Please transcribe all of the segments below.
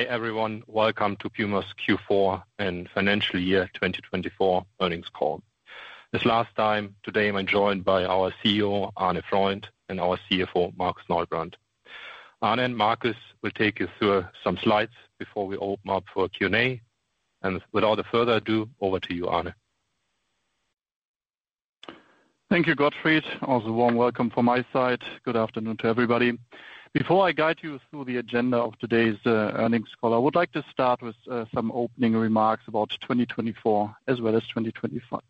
Hey everyone, welcome to PUMA's Q4 and Financial Year 2024 Earnings Call. As last time, today I'm joined by our CEO, Arne Freundt, and our CFO, Markus Neubrand. Arne and Markus will take you through some slides before we open up for a Q&A. Without further ado, over to you, Arne. Thank you, Gottfried. Also a warm welcome from my side. Good afternoon to everybody. Before I guide you through the agenda of today's earnings call, I would like to start with some opening remarks about 2024 as well as 2025.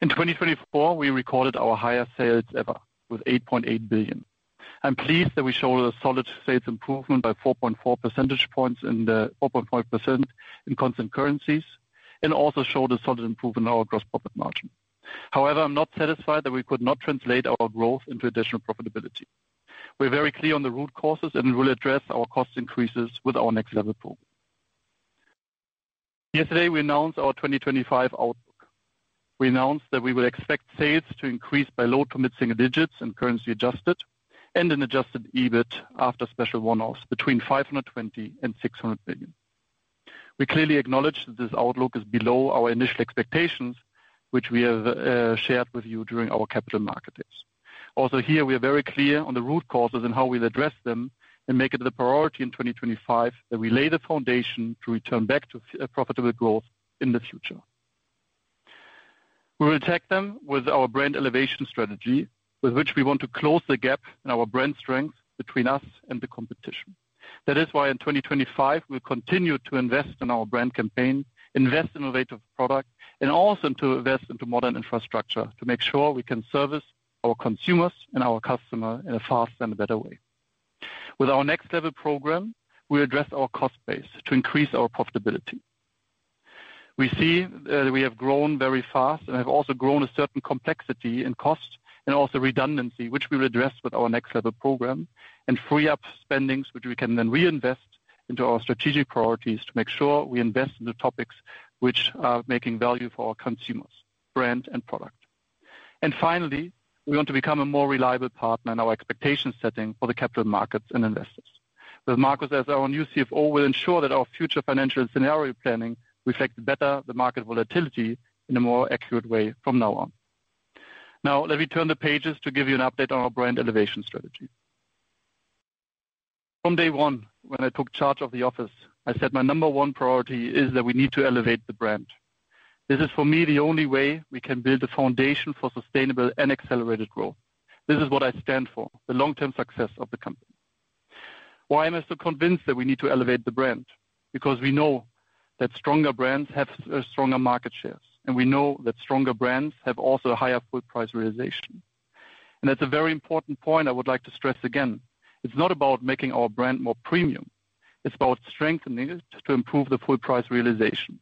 In 2024, we recorded our highest sales ever with 8.8 billion. I'm pleased that we showed a solid sales improvement by 4.4 percentage points in the 4.5% in constant currencies and also showed a solid improvement in our gross profit margin. However, I'm not satisfied that we could not translate our growth into additional profitability. We're very clear on the root causes and will address our cost increases with our Next Level Program. Yesterday, we announced our 2025 outlook. We announced that we would expect sales to increase by low single digits and currency adjusted and an adjusted EBIT after special one-offs between 520 million and 600 million. We clearly acknowledge that this outlook is below our initial expectations, which we have shared with you during our Capital Market Days. Also here, we are very clear on the root causes and how we'll address them and make it the priority in 2025 that we lay the foundation to return back to profitable growth in the future. We will attack them with our brand elevation strategy, with which we want to close the gap in our brand strength between us and the competition. That is why in 2025, we'll continue to invest in our brand campaign, invest in innovative products, and also to invest into modern infrastructure to make sure we can service our consumers and our customers in a faster and a better way. With our next level program, we address our cost base to increase our profitability. We see that we have grown very fast and have also grown a certain complexity in cost and also redundancy, which we will address with our Next Level Program and free up spendings, which we can then reinvest into our strategic priorities to make sure we invest into topics which are making value for our consumers, brand, and product. Finally, we want to become a more reliable partner in our expectation setting for the capital markets and investors. With Markus as our new CFO, we will ensure that our future financial scenario planning reflects better the market volatility in a more accurate way from now on. Now, let me turn the pages to give you an update on our Brand Elevation Strategy. From day one, when I took charge of the office, I said my number one priority is that we need to elevate the brand. This is, for me, the only way we can build a foundation for sustainable and accelerated growth. This is what I stand for: the long-term success of the company. Why am I so convinced that we need to elevate the brand? Because we know that stronger brands have stronger market shares, and we know that stronger brands have also a higher full price realization. That is a very important point I would like to stress again. It is not about making our brand more premium. It is about strengthening it to improve the full price realization.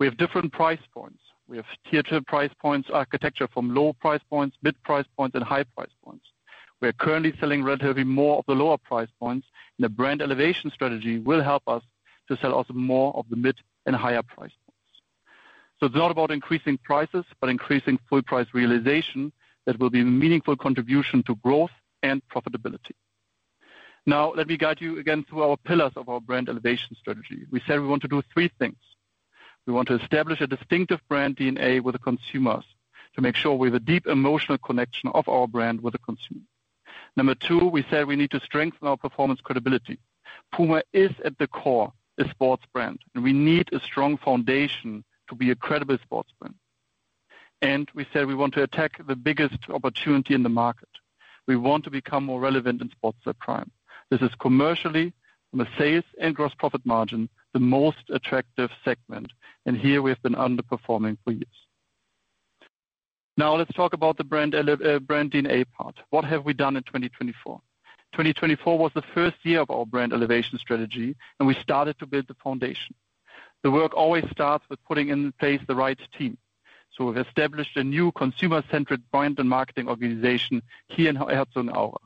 We have different price points. We have tiered price points architecture from low price points, mid price points, and high price points. We are currently selling relatively more of the lower price points, and the brand elevation strategy will help us to sell also more of the mid and higher price points. It is not about increasing prices, but increasing full price realization that will be a meaningful contribution to growth and profitability. Now, let me guide you again through our pillars of our brand elevation strategy. We said we want to do three things. We want to establish a distinctive brand DNA with the consumers to make sure we have a deep emotional connection of our brand with the consumer. Number two, we said we need to strengthen our performance credibility. PUMA is at the core a sports brand, and we need a strong foundation to be a credible sports brand. We said we want to attack the biggest opportunity in the market. We want to become more relevant in sports supply. This is commercially, from a sales and gross profit margin, the most attractive segment. Here we have been underperforming for years. Now, let's talk about the brand DNA part. What have we done in 2024? 2024 was the first year of our brand elevation strategy, and we started to build the foundation. The work always starts with putting in place the right team. We have established a new consumer-centric brand and marketing organization here in Herzogenaurach.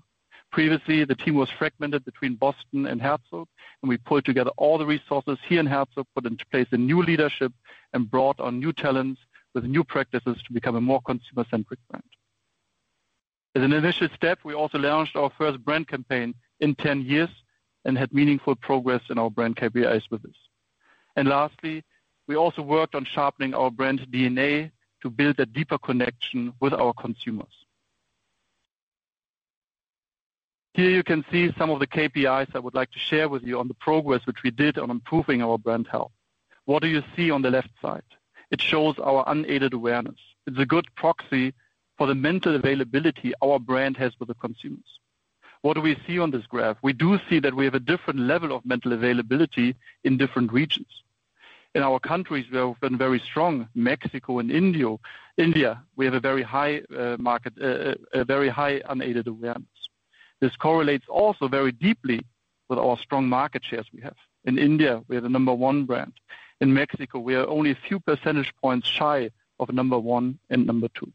Previously, the team was fragmented between Boston and Herzog, and we pulled together all the resources here in Herzog, put into place a new leadership, and brought our new talents with new practices to become a more consumer-centric brand. As an initial step, we also launched our first brand campaign in 10 years and had meaningful progress in our brand KPIs with this. Lastly, we also worked on sharpening our brand DNA to build a deeper connection with our consumers. Here you can see some of the KPIs I would like to share with you on the progress which we did on improving our brand health. What do you see on the left side? It shows our unaided awareness. It's a good proxy for the mental availability our brand has with the consumers. What do we see on this graph? We do see that we have a different level of mental availability in different regions. In our countries where we've been very strong, Mexico and India, we have a very high market, a very high unaided awareness. This correlates also very deeply with our strong market shares we have. In India, we have a number one brand. In Mexico, we are only a few percentage points shy of number one and number two.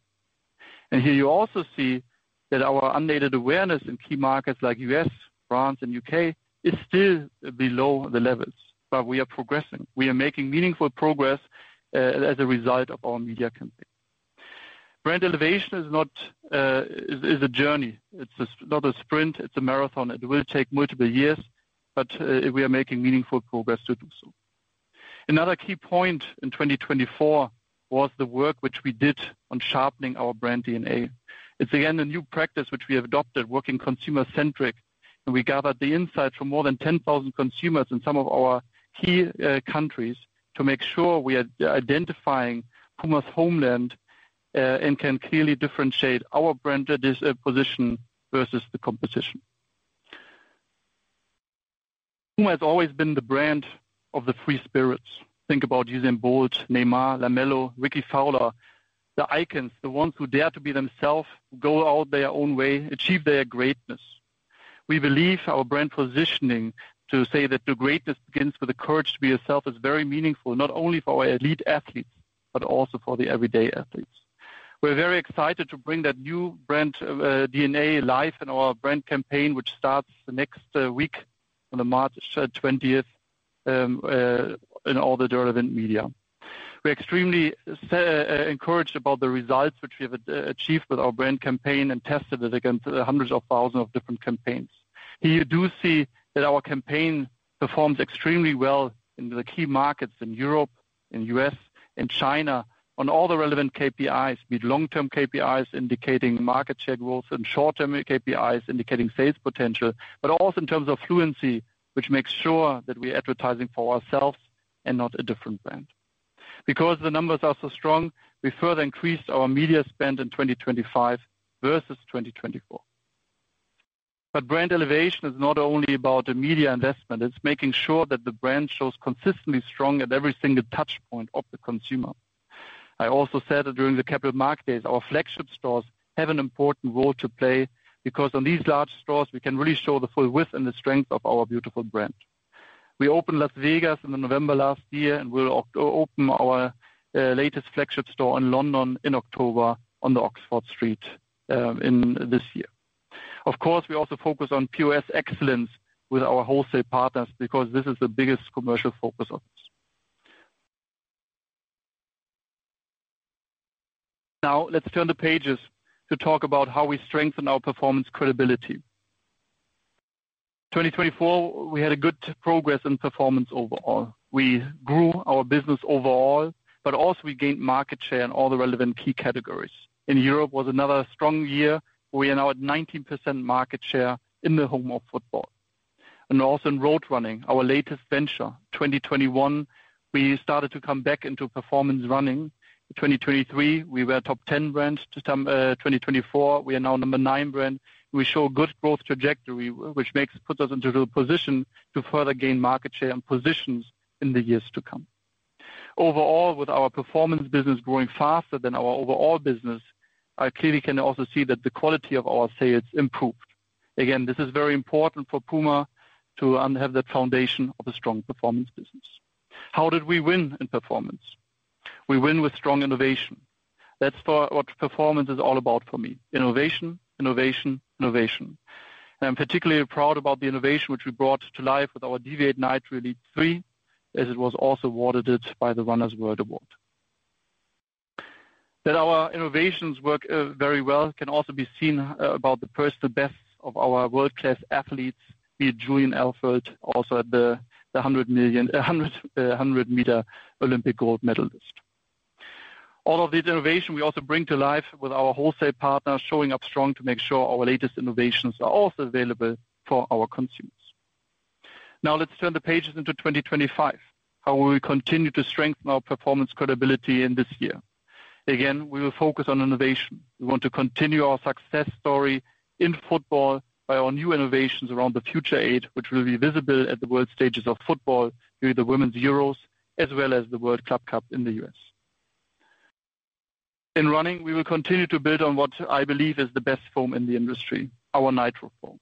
Here you also see that our unaided awareness in key markets like the U.S., France, and the U.K. is still below the levels, but we are progressing. We are making meaningful progress as a result of our media campaign. Brand elevation is not a journey. It's not a sprint. It's a marathon. It will take multiple years, but we are making meaningful progress to do so. Another key point in 2024 was the work which we did on sharpening our brand DNA. It's again a new practice which we have adopted, working consumer-centric, and we gathered the insights from more than 10,000 consumers in some of our key countries to make sure we are identifying PUMA's homeland and can clearly differentiate our brand position versus the competition. PUMA has always been the brand of the free spirits. Think about Usain Bolt, Neymar, LaMelo Ball, Rickie Fowler, the icons, the ones who dare to be themselves, go out their own way, achieve their greatness. We believe our brand positioning to say that the greatness begins with the courage to be yourself is very meaningful, not only for our elite athletes, but also for the everyday athletes. We're very excited to bring that new brand DNA life in our brand campaign, which starts next week on March 20th in all the derivative media. We're extremely encouraged about the results which we have achieved with our brand campaign and tested it against hundreds of thousands of different campaigns. Here you do see that our campaign performs extremely well in the key markets in Europe, in the U.S., in China, on all the relevant KPIs, be it long-term KPIs indicating market share growth and short-term KPIs indicating sales potential, but also in terms of fluency, which makes sure that we are advertising for ourselves and not a different brand. Because the numbers are so strong, we further increased our media spend in 2025 versus 2024. Brand elevation is not only about the media investment. It's making sure that the brand shows consistently strong at every single touchpoint of the consumer. I also said that during the capital market days, our flagship stores have an important role to play because on these large stores, we can really show the full width and the strength of our beautiful brand. We opened Las Vegas in November last year and will open our latest flagship store in London in October on Oxford Street this year. Of course, we also focus on POS excellence with our wholesale partners because this is the biggest commercial focus of us. Now, let's turn the pages to talk about how we strengthen our performance credibility. In 2024, we had good progress in performance overall. We grew our business overall, but also we gained market share in all the relevant key categories. In Europe, it was another strong year where we are now at 19% market share in the home of football. Also in road running, our latest venture, in 2021, we started to come back into performance running. In 2023, we were a top 10 brand. In 2024, we are now a number nine brand. We show a good growth trajectory, which puts us into a position to further gain market share and positions in the years to come. Overall, with our performance business growing faster than our overall business, I clearly can also see that the quality of our sales improved. Again, this is very important for PUMA to have that foundation of a strong performance business. How did we win in performance? We win with strong innovation. That's what performance is all about for me: innovation, innovation, innovation. I'm particularly proud about the innovation which we brought to life with our Deviate NITRO 3, as it was also awarded by the Runners World Award. That our innovations work very well can also be seen about the personal bests of our world-class athletes, be it Julien Alfred, also the 100-meter Olympic gold medalist. All of this innovation, we also bring to life with our wholesale partners, showing up strong to make sure our latest innovations are also available for our consumers. Now, let's turn the pages into 2025. How will we continue to strengthen our performance credibility in this year? Again, we will focus on innovation. We want to continue our success story in football by our new innovations around the Future, which will be visible at the world stages of football during the Women's Euros, as well as the World Club Cup in the U.S.. In running, we will continue to build on what I believe is the best foam in the industry: our NITRO Foam.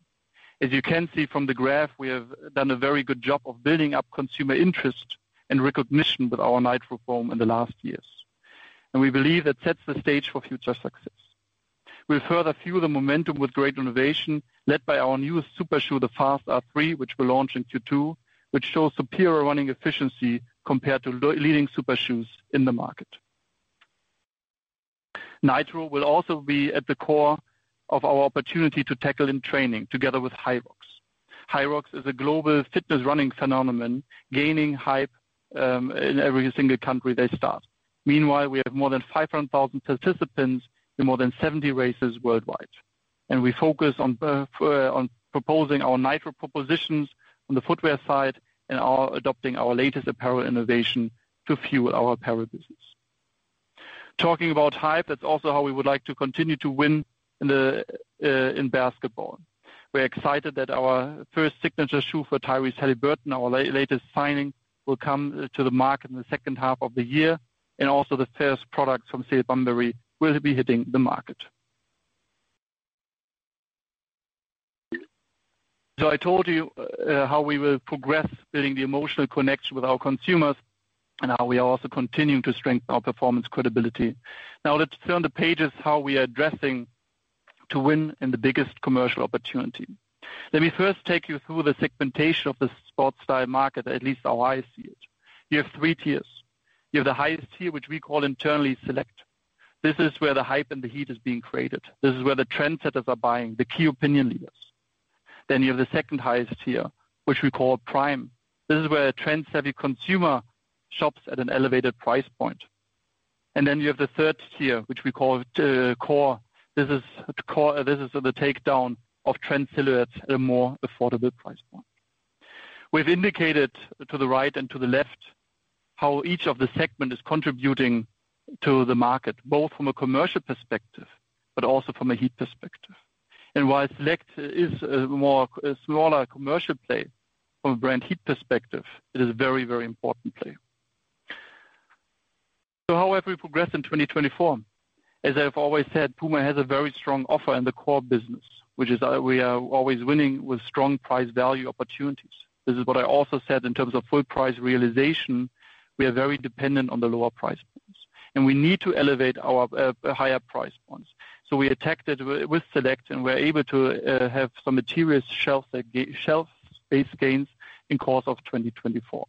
As you can see from the graph, we have done a very good job of building up consumer interest and recognition with our NITRO Foam in the last years. We believe that sets the stage for future success. We will further fuel the momentum with great innovation led by our new super shoe, the Fast-R 3, which we launched in Q2, which shows superior running efficiency compared to leading super shoes in the market. NITRO will also be at the core of our opportunity to tackle in training together with HYROX. HYROX is a global fitness running phenomenon, gaining hype in every single country they start. Meanwhile, we have more than 500,000 participants in more than 70 races worldwide. We focus on proposing our NITRO propositions on the footwear side and adopting our latest apparel innovation to fuel our apparel business. Talking about hype, that is also how we would like to continue to win in basketball. We're excited that our first signature shoe for Tyrese Haliburton, our latest signing, will come to the market in the second half of the year, and also the first products from Salehe Bembury will be hitting the market. I told you how we will progress building the emotional connection with our consumers and how we are also continuing to strengthen our performance credibility. Now, let's turn the pages to how we are addressing to win in the biggest commercial opportunity. Let me first take you through the segmentation of the sports style market, at least how I see it. You have three tiers. You have the highest tier, which we call internally select. This is where the hype and the heat is being created. This is where the trendsetters are buying, the key opinion leaders. Then you have the second highest tier, which we call prime. This is where a trend-savvy consumer shops at an elevated price point. Then you have the third tier, which we call core. This is the takedown of trend silhouettes at a more affordable price point. We have indicated to the right and to the left how each of the segments is contributing to the market, both from a commercial perspective, but also from a heat perspective. While select is a smaller commercial play, from a brand heat perspective, it is a very, very important play. How have we progressed in 2024? As I have always said, PUMA has a very strong offer in the core business, which is we are always winning with strong price value opportunities. This is what I also said in terms of full price realization. We are very dependent on the lower price points, and we need to elevate our higher price points. We attacked it with select, and we were able to have some material shelf space gains in the course of 2024.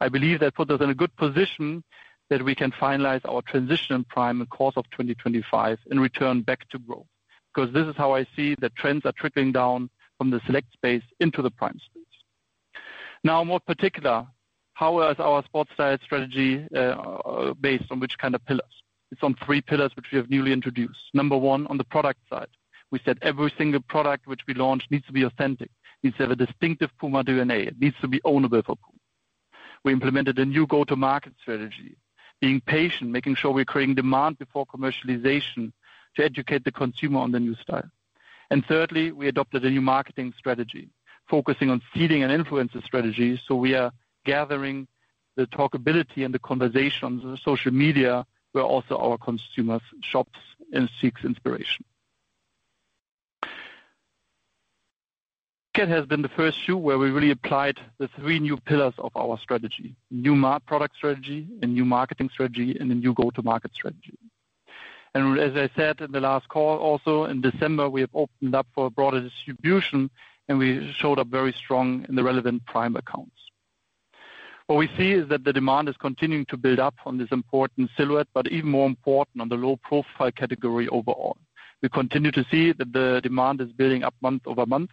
I believe that puts us in a good position that we can finalize our transition prime in the course of 2025 and return back to growth because this is how I see that trends are trickling down from the select space into the prime space. Now, more particular, how is our sports style strategy based on which kind of pillars? It is on three pillars which we have newly introduced. Number one, on the product side. We said every single product which we launch needs to be authentic, needs to have a distinctive PUMA DNA, needs to be ownable for PUMA. We implemented a new go-to-market strategy, being patient, making sure we are creating demand before commercialization to educate the consumer on the new style. Thirdly, we adopted a new marketing strategy, focusing on seeding and influencer strategies. We are gathering the talkability and the conversation on social media where also our consumers shop and seek inspiration. Ticket has been the first shoe where we really applied the three new pillars of our strategy: a new product strategy, a new marketing strategy, and a new go-to-market strategy. As I said in the last call, also in December, we have opened up for broader distribution, and we showed up very strong in the relevant prime accounts. What we see is that the demand is continuing to build up on this important silhouette, but even more important on the low-profile category overall. We continue to see that the demand is building up month over month,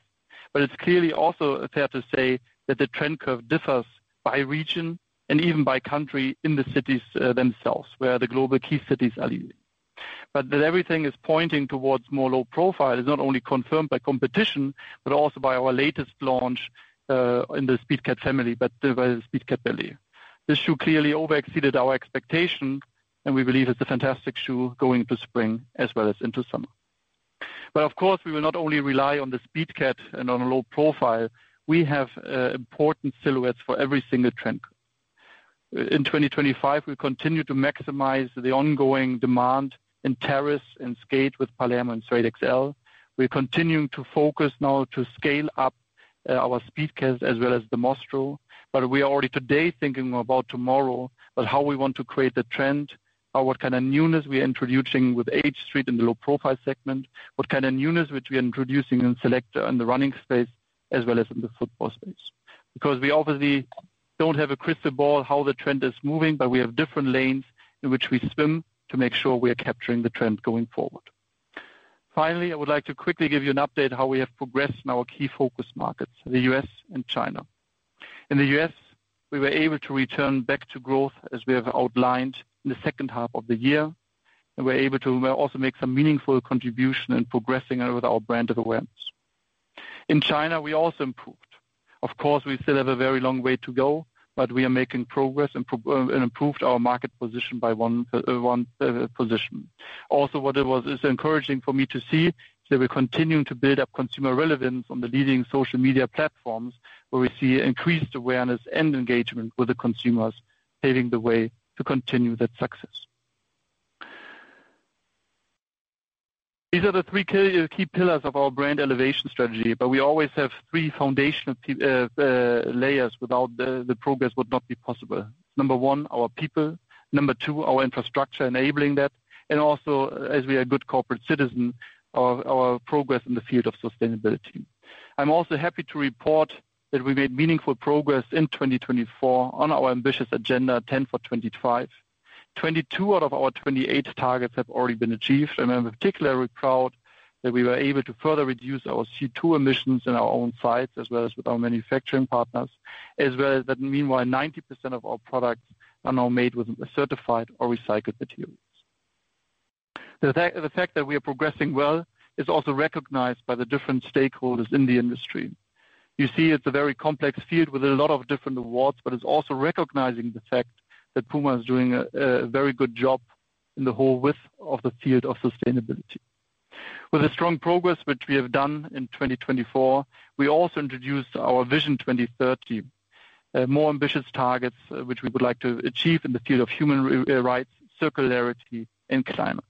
but it's clearly also fair to say that the trend curve differs by region and even by country in the cities themselves where the global key cities are leading. That everything is pointing towards more low profile is not only confirmed by competition, but also by our latest launch in the Speedcat family, by the Speedcat Ballerina. This shoe clearly overexceeded our expectation, and we believe it's a fantastic shoe going into spring as well as into summer. Of course, we will not only rely on the Speedcat and on low profile. We have important silhouettes for every single trend. In 2025, we continue to maximize the ongoing demand in terrace and skate with Palermo and Suede XL. We're continuing to focus now to scale up our Speedcat as well as the Mostro, but we are already today thinking about tomorrow, but how we want to create the trend, what kind of newness we are introducing with H-Street in the low-profile segment, what kind of newness which we are introducing in select and the running space as well as in the football space. Because we obviously don't have a crystal ball how the trend is moving, but we have different lanes in which we swim to make sure we are capturing the trend going forward. Finally, I would like to quickly give you an update on how we have progressed in our key focus markets, the U.S. and China. In the U.S., we were able to return back to growth as we have outlined in the second half of the year, and we were able to also make some meaningful contribution in progressing with our brand awareness. In China, we also improved. Of course, we still have a very long way to go, but we are making progress and improved our market position by one position. Also, what was encouraging for me to see is that we are continuing to build up consumer relevance on the leading social media platforms where we see increased awareness and engagement with the consumers paving the way to continue that success. These are the three key pillars of our brand elevation strategy, but we always have three foundational layers without which the progress would not be possible. Number one, our people. Number two, our infrastructure enabling that, and also, as we are a good corporate citizen, our progress in the field of sustainability. I'm also happy to report that we made meaningful progress in 2024 on our ambitious agenda 10 for 2025. 2022 out of our 2028 targets have already been achieved. I'm particularly proud that we were able to further reduce our CO2 emissions in our own sites as well as with our manufacturing partners, as well as that meanwhile 90% of our products are now made with certified or recycled materials. The fact that we are progressing well is also recognized by the different stakeholders in the industry. You see it's a very complex field with a lot of different awards, but it's also recognizing the fact that PUMA is doing a very good job in the whole width of the field of sustainability. With the strong progress which we have done in 2024, we also introduced our Vision 2030, more ambitious targets which we would like to achieve in the field of human rights, circularity, and climate.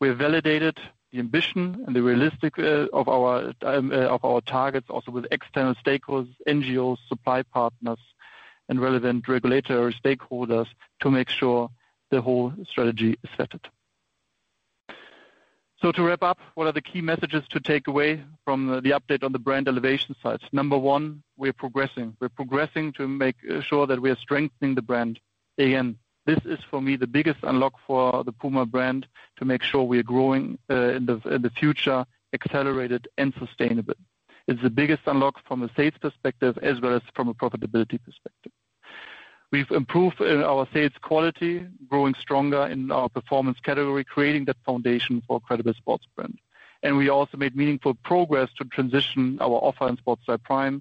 We have validated the ambition and the realistic of our targets also with external stakeholders, NGOs, supply partners, and relevant regulatory stakeholders to make sure the whole strategy is vetted. To wrap up, what are the key messages to take away from the update on the brand elevation side? Number one, we are progressing. We're progressing to make sure that we are strengthening the brand. Again, this is for me the biggest unlock for the PUMA brand to make sure we are growing in the future, accelerated, and sustainable. It's the biggest unlock from a sales perspective as well as from a profitability perspective. have improved our sales quality, growing stronger in our performance category, creating that foundation for a credible sports brand. We also made meaningful progress to transition our offer in sports style prime,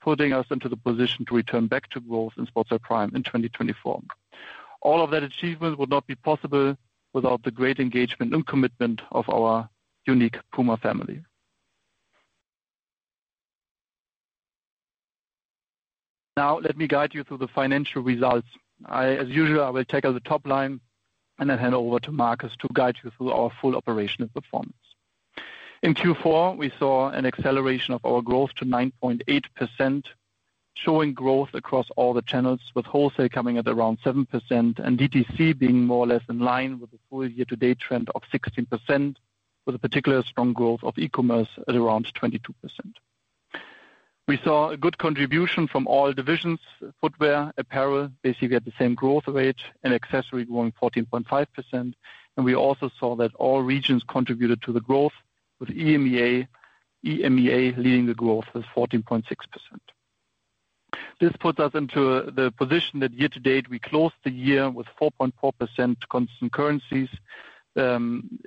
putting us into the position to return back to growth in sports style prime in 2024. All of that achievement would not be possible without the great engagement and commitment of our unique PUMA family. Now, let me guide you through the financial results. As usual, I will tackle the top line and then hand over to Markus to guide you through our full operational performance. In Q4, we saw an acceleration of our growth to 9.8%, showing growth across all the channels, with wholesale coming at around 7% and DTC being more or less in line with the full year-to-date trend of 16%, with a particularly strong growth of e-commerce at around 22%. We saw a good contribution from all divisions: footwear, apparel, basically at the same growth rate, and accessory growing 14.5%. We also saw that all regions contributed to the growth, with EMEA leading the growth with 14.6%. This puts us into the position that year-to-date we closed the year with 4.4% constant currencies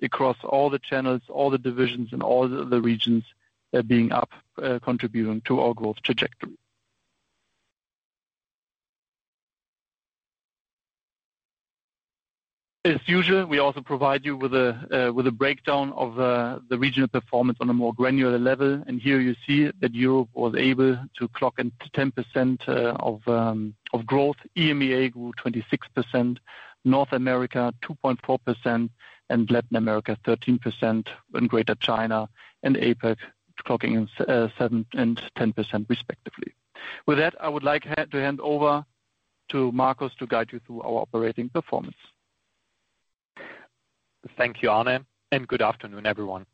across all the channels, all the divisions, and all the regions being up, contributing to our growth trajectory. As usual, we also provide you with a breakdown of the regional performance on a more granular level. Here you see that Europe was able to clock in 10% of growth. EMEA grew 26%, North America 2.4%, and Latin America 13%, and Greater China and APAC clocking in 7% and 10% respectively. With that, I would like to hand over to Markus to guide you through our operating performance. Thank you, Arne, and good afternoon, everyone.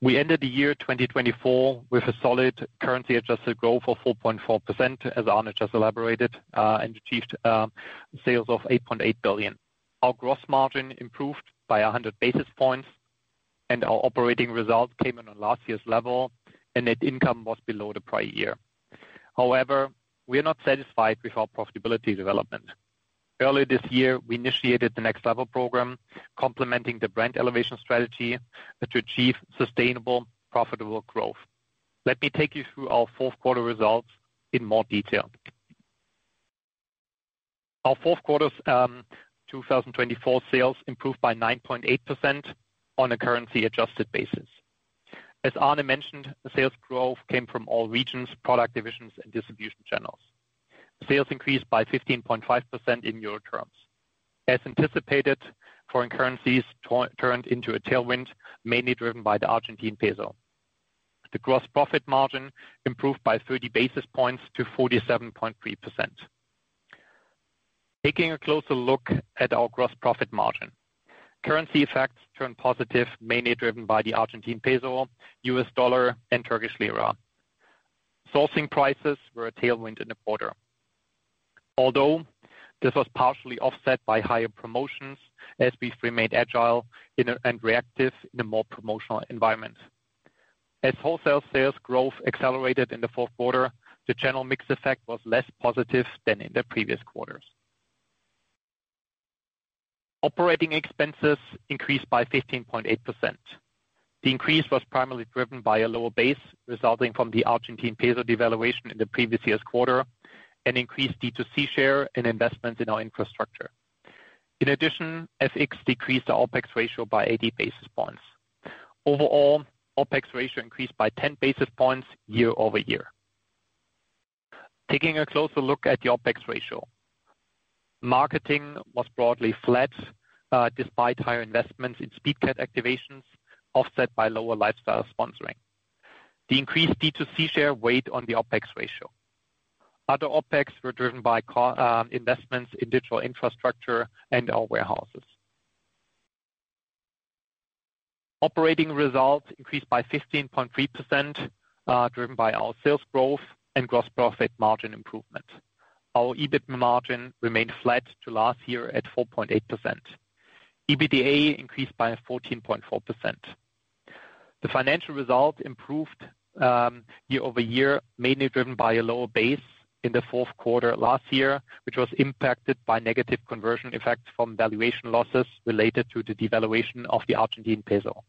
We ended the year 2024 with a solid currency-adjusted growth of 4.4%, as Arne just elaborated, and achieved sales of 8.8 billion. Our gross margin improved by 100 basis points, and our operating result came in on last year's level, and net income was below the prior year. However, we are not satisfied with our profitability development. Earlier this year, we initiated the Next Level program, complementing the Brand Elevation Strategy to achieve sustainable, profitable growth. Let me take you through our fourth quarter results in more detail. Our fourth quarter 2024 sales improved by 9.8% on a currency-adjusted basis. As Arne mentioned, sales growth came from all regions, product divisions, and distribution channels. Sales increased by 15.5% in euro terms. As anticipated, foreign currencies turned into a tailwind, mainly driven by the Argentine peso. The gross profit margin improved by 30 basis points to 47.3%. Taking a closer look at our gross profit margin, currency effects turned positive, mainly driven by the Argentine peso, U.S. dollar, and Turkish lira. Sourcing prices were a tailwind in the quarter, although this was partially offset by higher promotions as we remained agile and reactive in a more promotional environment. As wholesale sales growth accelerated in the fourth quarter, the general mix effect was less positive than in the previous quarters. Operating expenses increased by 15.8%. The increase was primarily driven by a lower base resulting from the Argentine peso devaluation in the previous year's quarter and increased DTC share and investments in our infrastructure. In addition, FX decreased our OpEx ratio by 80 basis points. Overall, OpEx ratio increased by 10 basis points year over year. Taking a closer look at the OpEx ratio, marketing was broadly flat despite higher investments in Speedcat activations offset by lower lifestyle sponsoring. The increased DTC share weighed on the OpEx ratio. Other OpEx were driven by investments in digital infrastructure and our warehouses. Operating results increased by 15.3%, driven by our sales growth and gross profit margin improvement. Our EBIT margin remained flat to last year at 4.8%. EBITDA increased by 14.4%. The financial result improved year over year, mainly driven by a lower base in the fourth quarter last year, which was impacted by negative conversion effects from valuation losses related to the devaluation of the Argentine peso.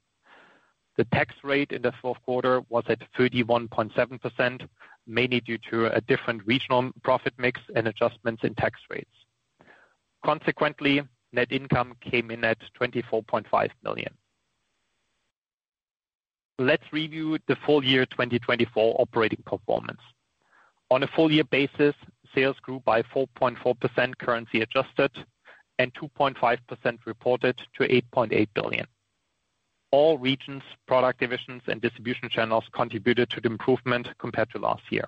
The tax rate in the fourth quarter was at 31.7%, mainly due to a different regional profit mix and adjustments in tax rates. Consequently, net income came in at 24.5 million. Let's review the full year 2024 operating performance. On a full year basis, sales grew by 4.4% currency-adjusted and 2.5% reported to 8.8 billion. All regions, product divisions, and distribution channels contributed to the improvement compared to last year.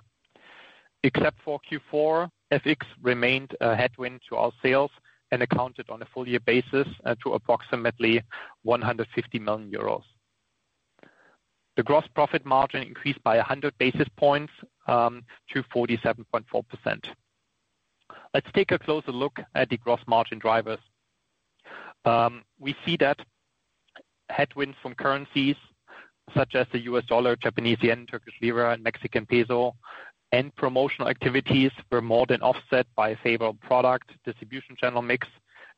Except for Q4, FX remained a headwind to our sales and accounted on a full year basis to approximately 150 million euros. The gross profit margin increased by 100 basis points to 47.4%. Let's take a closer look at the gross margin drivers. We see that headwinds from currencies such as the U.S. dollar, Japanese yen, Turkish lira, and Mexican peso, and promotional activities were more than offset by favorable product distribution channel mix,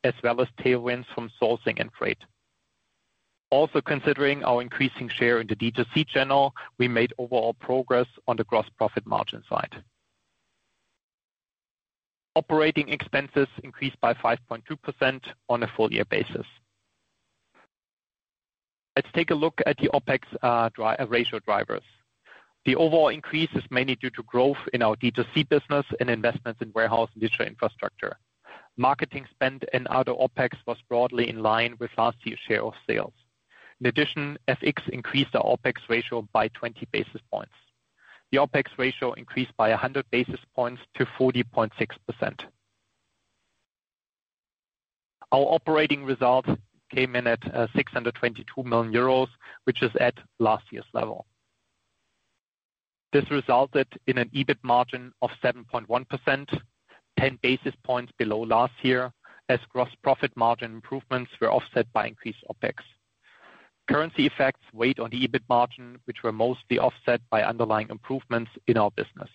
as well as tailwinds from sourcing and trade. Also, considering our increasing share in the DTC channel, we made overall progress on the gross profit margin side. Operating expenses increased by 5.2% on a full year basis. Let's take a look at the OpEx ratio drivers. The overall increase is mainly due to growth in our DTC business and investments in warehouse and digital infrastructure. Marketing spend and other OpEx was broadly in line with last year's share of sales. In addition, FX increased our OpEx ratio by 20 basis points. The OpEx ratio increased by 100 basis points to 40.6%. Our operating result came in at 622 million euros, which is at last year's level. This resulted in an EBIT margin of 7.1%, 10 basis points below last year, as gross profit margin improvements were offset by increased OpEx. Currency effects weighed on the EBIT margin, which were mostly offset by underlying improvements in our business.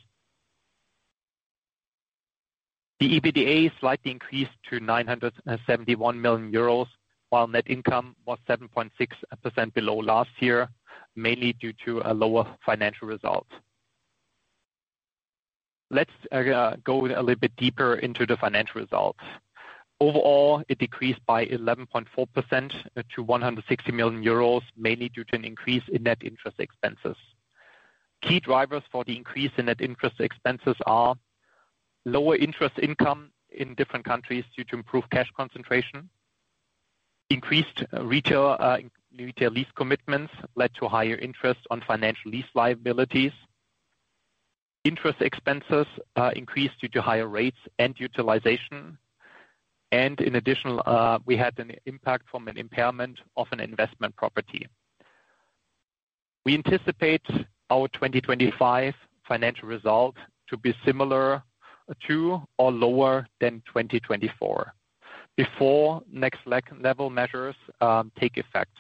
The EBITDA slightly increased to 971 million euros, while net income was 7.6% below last year, mainly due to a lower financial result. Let's go a little bit deeper into the financial results. Overall, it decreased by 11.4% to 160 million euros, mainly due to an increase in net interest expenses. Key drivers for the increase in net interest expenses are lower interest income in different countries due to improved cash concentration. Increased retail lease commitments led to higher interest on financial lease liabilities. Interest expenses increased due to higher rates and utilization. In addition, we had an impact from an impairment of an investment property. We anticipate our 2025 financial result to be similar to or lower than 2024 before Next Level measures take effect.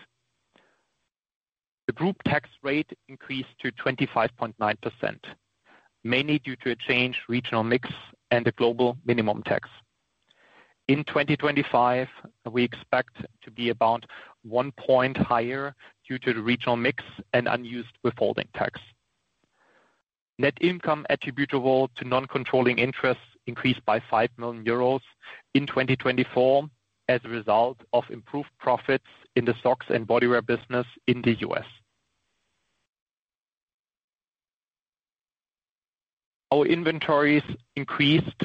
The group tax rate increased to 25.9%, mainly due to a changed regional mix and a global minimum tax. In 2025, we expect to be about one point higher due to the regional mix and unused withholding tax. Net income attributable to non-controlling interest increased by 5 million euros in 2024 as a result of improved profits in the socks and bodywear business in the U.S.. Our inventories increased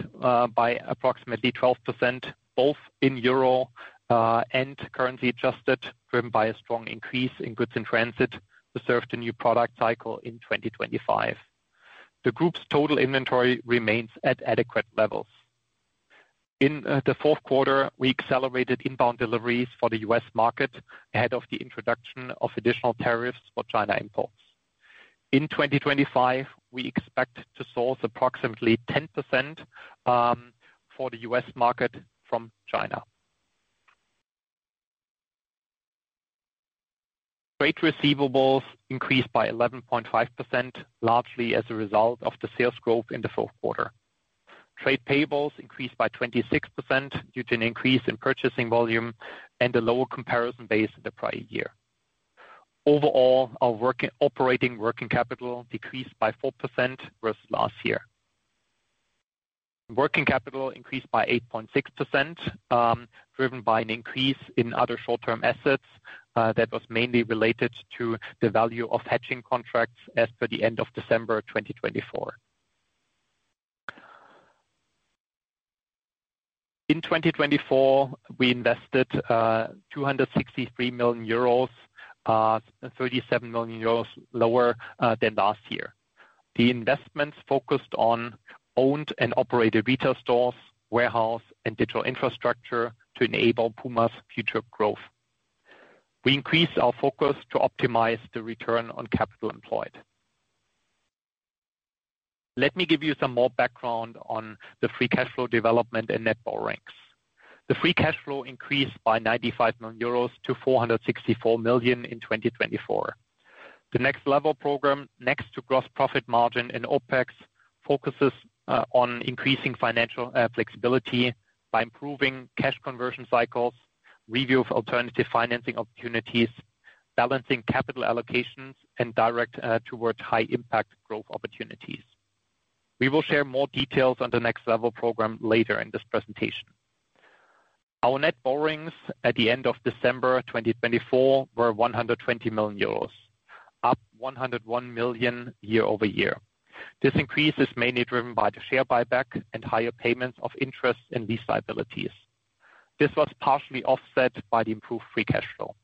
by approximately 12%, both in euro and currency-adjusted, driven by a strong increase in goods in transit to serve the new product cycle in 2025. The group's total inventory remains at adequate levels. In the fourth quarter, we accelerated inbound deliveries for the U.S. market ahead of the introduction of additional tariffs for China imports. In 2025, we expect to source approximately 10% for the U.S. market from China. Trade receivables increased by 11.5%, largely as a result of the sales growth in the fourth quarter. Trade payables increased by 26% due to an increase in purchasing volume and a lower comparison base than the prior year. Overall, our operating working capital decreased by 4% versus last year. Working capital increased by 8.6%, driven by an increase in other short-term assets that was mainly related to the value of hatching contracts as per the end of December 2024. In 2024, we invested 263 million euros, 37 million euros lower than last year. The investments focused on owned and operated retail stores, warehouse, and digital infrastructure to enable PUMA's future growth. We increased our focus to optimize the return on capital employed. Let me give you some more background on the free cash flow development and net borrowings. The free cash flow increased by 95 million euros to 464 million in 2024. The Next Level Program, next to gross profit margin and OpEx, focuses on increasing financial flexibility by improving cash conversion cycles, review of alternative financing opportunities, balancing capital allocations, and direct towards high-impact growth opportunities. We will share more details on the Next Level Program later in this presentation. Our net borrowings at the end of December 2024 were 120 million euros, up 101 million year over year. This increase is mainly driven by the share buyback and higher payments of interest and lease liabilities. This was partially offset by the improved free cash flow.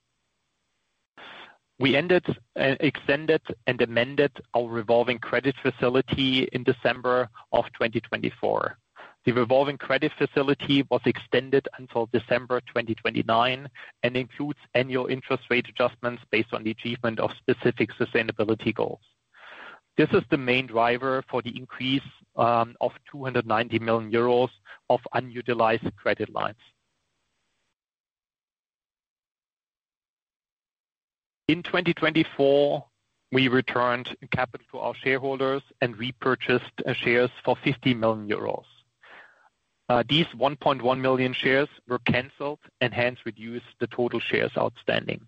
We ended, extended, and amended our revolving credit facility in December of 2024. The revolving credit facility was extended until December 2029 and includes annual interest rate adjustments based on the achievement of specific sustainability goals. This is the main driver for the increase of 290 million euros of unutilized credit lines. In 2024, we returned capital to our shareholders and repurchased shares for 50 million euros. These 1.1 million shares were canceled and hence reduced the total shares outstanding.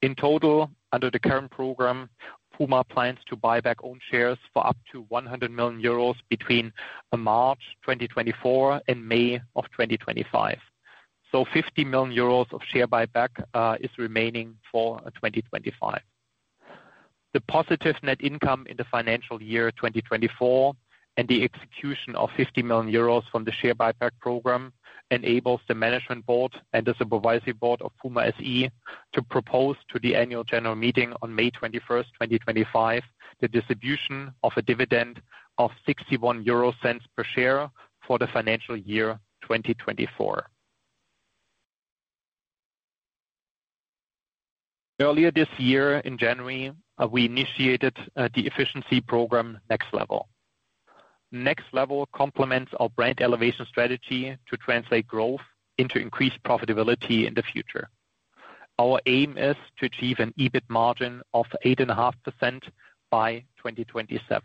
In total, under the current program, PUMA plans to buy back owned shares for up to 100 million euros between March 2024 and May of 2025. 50 million euros of share buyback is remaining for 2025. The positive net income in the financial year 2024 and the execution of 50 million euros from the share buyback program enables the Management Board and the Supervisory Board of PUMA SE to propose to the Annual General Meeting on May 21st, 2025, the distribution of a dividend of 0.61 per share for the financial year 2024. Earlier this year, in January, we initiated the efficiency program, Next Level. Next Level complements our Brand Elevation Strategy to translate growth into increased profitability in the future. Our aim is to achieve an EBIT margin of 8.5% by 2027.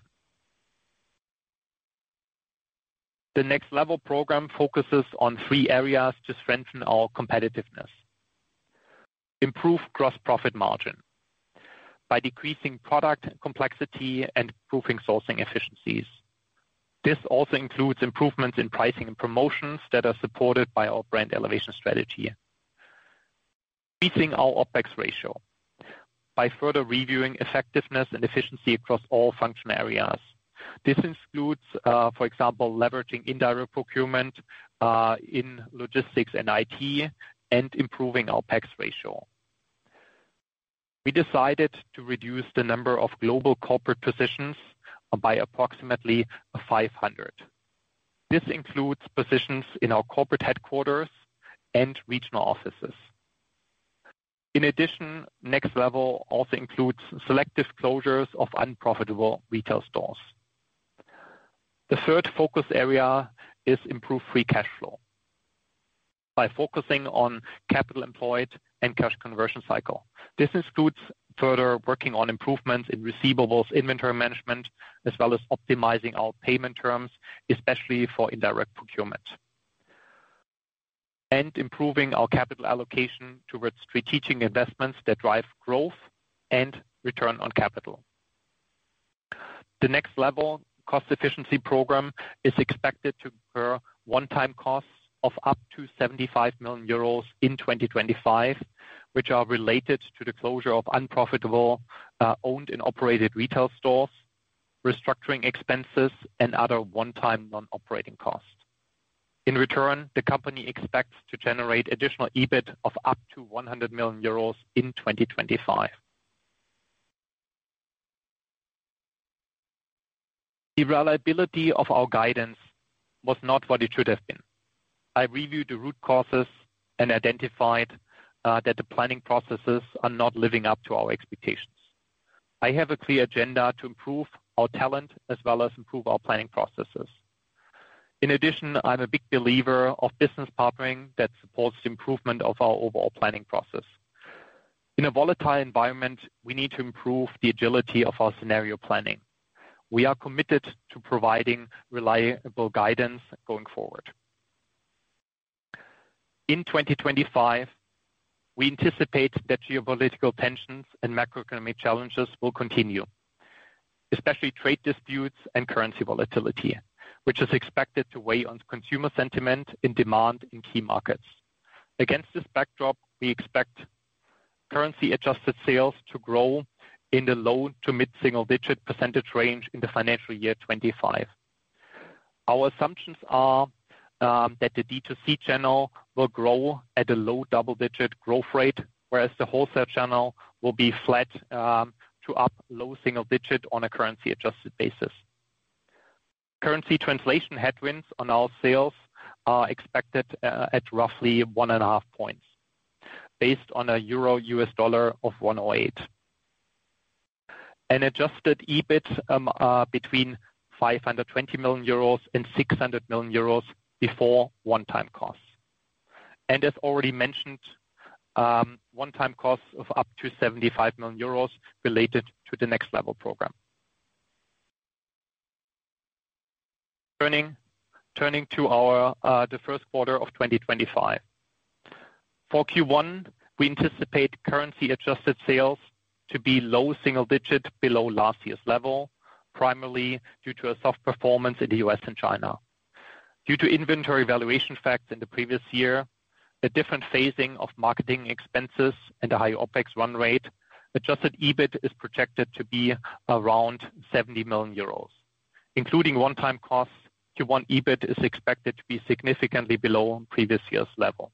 The Next Level Program focuses on three areas to strengthen our competitiveness: improve gross profit margin by decreasing product complexity and improving sourcing efficiencies. This also includes improvements in pricing and promotions that are supported by our Brand Elevation Strategy. Increasing our OpEx ratio by further reviewing effectiveness and efficiency across all function areas. This includes, for example, leveraging indirect procurement in logistics and IT and improving our OpEx ratio. We decided to reduce the number of global corporate positions by approximately 500. This includes positions in our corporate headquarters and regional offices. In addition, Next Level also includes selective closures of unprofitable retail stores. The third focus area is improved free cash flow by focusing on capital employed and cash conversion cycle. This includes further working on improvements in receivables, inventory management, as well as optimizing our payment terms, especially for indirect procurement, and improving our capital allocation towards strategic investments that drive growth and return on capital. The Next Level cost efficiency program is expected to incur one-time costs of up to 75 million euros in 2025, which are related to the closure of unprofitable owned and operated retail stores, restructuring expenses, and other one-time non-operating costs. In return, the company expects to generate additional EBIT of up to 100 million euros in 2025. The reliability of our guidance was not what it should have been. I reviewed the root causes and identified that the planning processes are not living up to our expectations. I have a clear agenda to improve our talent as well as improve our planning processes. In addition, I'm a big believer of business partnering that supports the improvement of our overall planning process. In a volatile environment, we need to improve the agility of our scenario planning. We are committed to providing reliable guidance going forward. In 2025, we anticipate that geopolitical tensions and macroeconomic challenges will continue, especially trade disputes and currency volatility, which is expected to weigh on consumer sentiment and demand in key markets. Against this backdrop, we expect currency-adjusted sales to grow in the low to mid-single-digit percentage range in the financial year 2025. Our assumptions are that the DTC channel will grow at a low double-digit growth rate, whereas the wholesale channel will be flat to up low single digit on a currency-adjusted basis. Currency translation headwinds on our sales are expected at roughly one and a half percentage points based on a EUR/USD of 1.08. An adjusted EBIT between 520 million euros and 600 million euros before one-time costs. As already mentioned, one-time costs of up to 75 million euros related to the Next Level Program. Turning to our first quarter of 2025. For Q1, we anticipate currency-adjusted sales to be low single digit below last year's level, primarily due to a soft performance in the U.S. and China. Due to inventory valuation facts in the previous year, a different phasing of marketing expenses and a high OpEx run rate, adjusted EBIT is projected to be around 70 million euros. Including one-time costs, Q1 EBIT is expected to be significantly below previous year's level.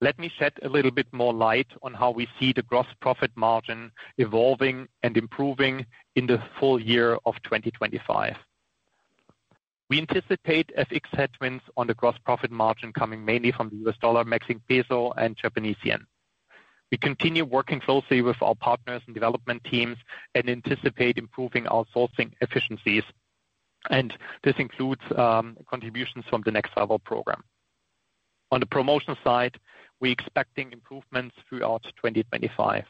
Let me shed a little bit more light on how we see the gross profit margin evolving and improving in the full year of 2025. We anticipate FX headwinds on the gross profit margin coming mainly from the U.S. dollar, Mexican peso, and Japanese yen. We continue working closely with our partners and development teams and anticipate improving our sourcing efficiencies. This includes contributions from the Next Level Program. On the promotion side, we are expecting improvements throughout 2025.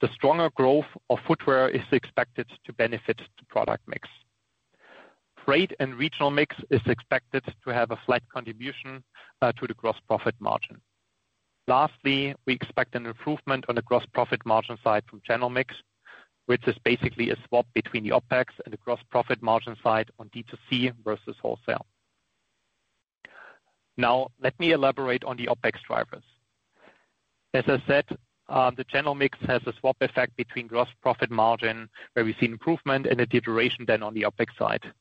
The stronger growth of footwear is expected to benefit the product mix. Trade and regional mix is expected to have a flat contribution to the gross profit margin. Lastly, we expect an improvement on the gross profit margin side from general mix, which is basically a swap between the OpEx and the gross profit margin side on DTC versus wholesale. Now, let me elaborate on the OpEx drivers. As I said, the general mix has a swap effect between gross profit margin, where we see improvement and a deterioration then on the OpEx side.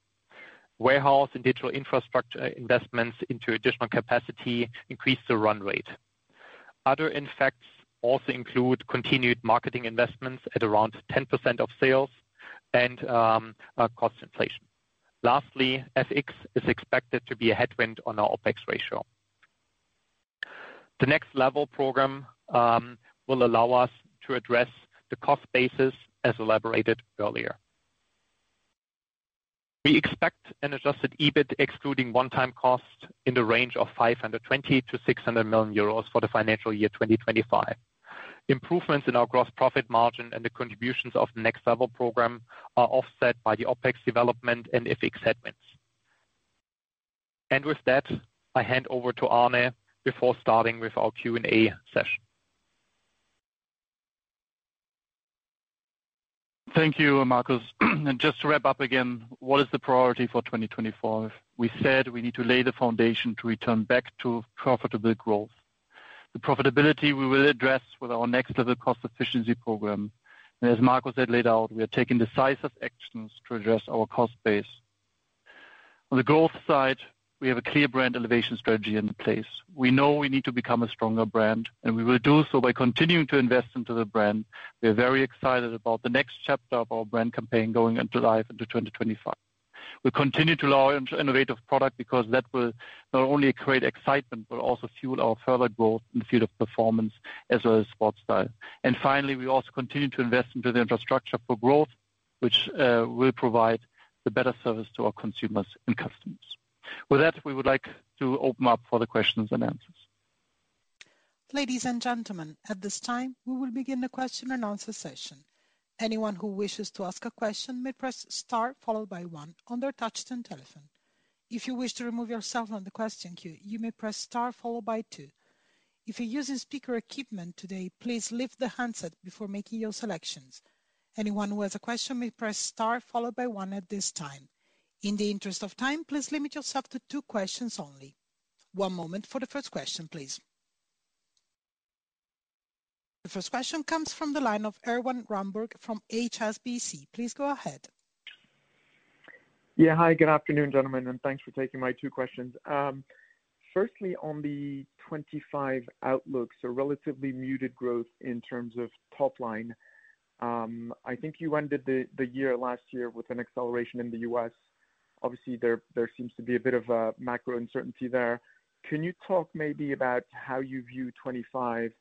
Warehouse and digital infrastructure investments into additional capacity increase the run rate. Other effects also include continued marketing investments at around 10% of sales and cost inflation. Lastly, FX is expected to be a headwind on our OpEx ratio. The Next Level Program will allow us to address the cost basis as elaborated earlier. We expect an adjusted EBIT excluding one-time costs in the range of 520 million-600 million euros for the financial year 2025. Improvements in our gross profit margin and the contributions of the Next Level Program are offset by the OpEx development and FX headwinds. With that, I hand over to Arne before starting with our Q&A session. Thank you, Markus. Just to wrap up again, what is the priority for 2024? We said we need to lay the foundation to return back to profitable growth. The profitability we will address with our next level cost efficiency program. As Markus had laid out, we are taking decisive actions to address our cost base. On the growth side, we have a clear brand elevation strategy in place. We know we need to become a stronger brand, and we will do so by continuing to invest into the brand. We are very excited about the next chapter of our brand campaign going into life into 2025. We continue to launch innovative products because that will not only create excitement, but also fuel our further growth in the field of performance as well as sports style. Finally, we also continue to invest into the infrastructure for growth, which will provide the better service to our consumers and customers. With that, we would like to open up for the questions and answers. Ladies and gentlemen, at this time, we will begin the question and answer session. Anyone who wishes to ask a question may press star followed by one on their touch-tone telephone. If you wish to remove yourself from the question queue, you may press star followed by two. If you're using speaker equipment today, please lift the handset before making your selections. Anyone who has a question may press star followed by one at this time. In the interest of time, please limit yourself to two questions only. One moment for the first question, please. The first question comes from the line of Erwan Rambourg from HSBC. Please go ahead. Yeah, hi, good afternoon, gentlemen, and thanks for taking my two questions. Firstly, on the 2025 outlook, so relatively muted growth in terms of top line. I think you ended the year last year with an acceleration in the U.S.. Obviously, there seems to be a bit of a macro uncertainty there. Can you talk maybe about how you view 2025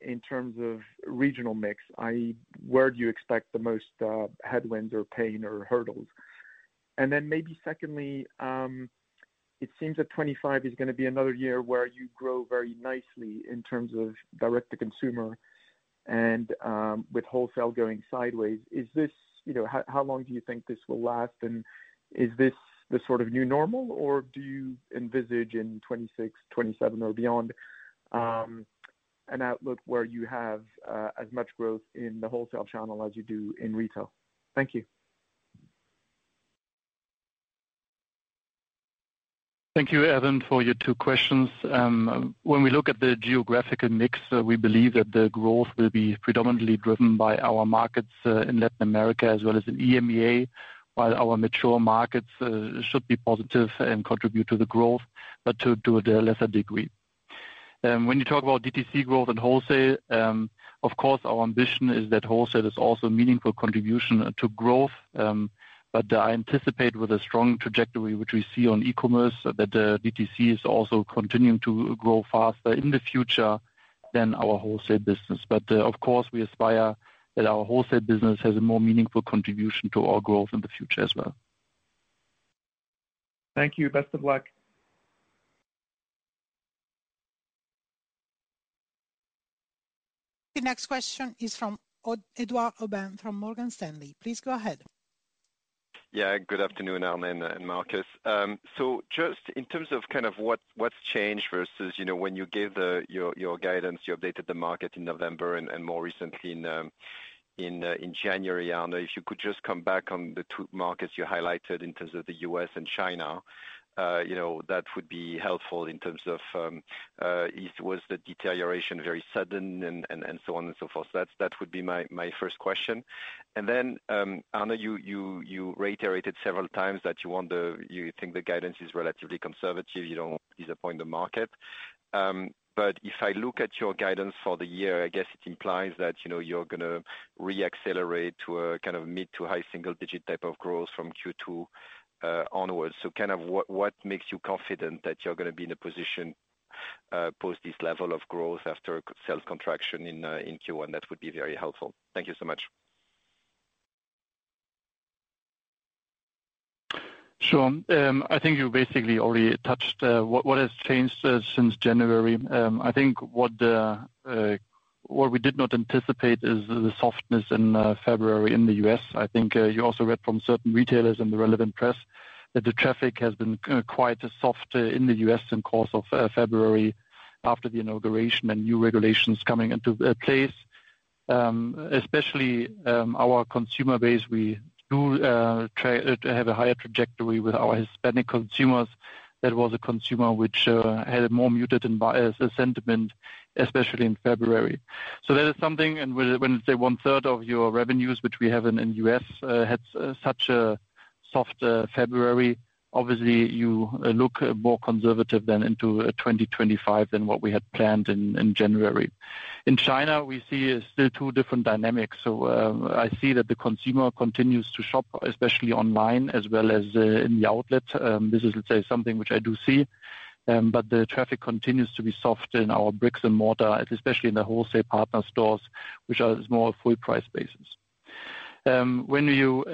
in terms of regional mix, i.e., where do you expect the most headwinds or pain or hurdles? Then maybe secondly, it seems that 2025 is going to be another year where you grow very nicely in terms of direct-to-consumer and with wholesale going sideways. How long do you think this will last? Is this the sort of new normal, or do you envisage in 2026, 2027, or beyond an outlook where you have as much growth in the wholesale channel as you do in retail? Thank you. Thank you, Erwan, for your two questions. When we look at the geographical mix, we believe that the growth will be predominantly driven by our markets in Latin America as well as in EMEA, while our mature markets should be positive and contribute to the growth, but to a lesser degree. When you talk about DTC growth and wholesale, of course, our ambition is that wholesale is also a meaningful contribution to growth. I anticipate with a strong trajectory, which we see on e-commerce, that DTC is also continuing to grow faster in the future than our wholesale business. Of course, we aspire that our wholesale business has a more meaningful contribution to our growth in the future as well. Thank you. Best of luck. The next question is from Edouard Aubin from Morgan Stanley. Please go ahead. Yeah, good afternoon, Arne and Markus. Just in terms of kind of what's changed versus when you gave your guidance, you updated the market in November and more recently in January. If you could just come back on the two markets you highlighted in terms of the U.S. and China, that would be helpful in terms of was the deterioration very sudden and so on and so forth. That would be my first question. Arne, you reiterated several times that you think the guidance is relatively conservative. You don't disappoint the market. If I look at your guidance for the year, I guess it implies that you're going to re-accelerate to a kind of mid to high single-digit type of growth from Q2 onwards. Kind of what makes you confident that you're going to be in a position post this level of growth after sales contraction in Q1? That would be very helpful. Thank you so much. Sure. I think you basically already touched what has changed since January. I think what we did not anticipate is the softness in February in the U.S. I think you also read from certain retailers and the relevant press that the traffic has been quite soft in the U.S. in the course of February after the inauguration and new regulations coming into place. Especially our consumer base, we do have a higher trajectory with our Hispanic consumers. That was a consumer which had a more muted sentiment, especially in February. That is something when you say 1/3 of your revenues, which we have in the U.S., had such a soft February, obviously you look more conservative than into 2025 than what we had planned in January. In China, we see still two different dynamics. I see that the consumer continues to shop, especially online as well as in the outlet. This is, let's say, something which I do see. The traffic continues to be soft in our bricks and mortar, especially in the wholesale partner stores, which are more full-price basis. When you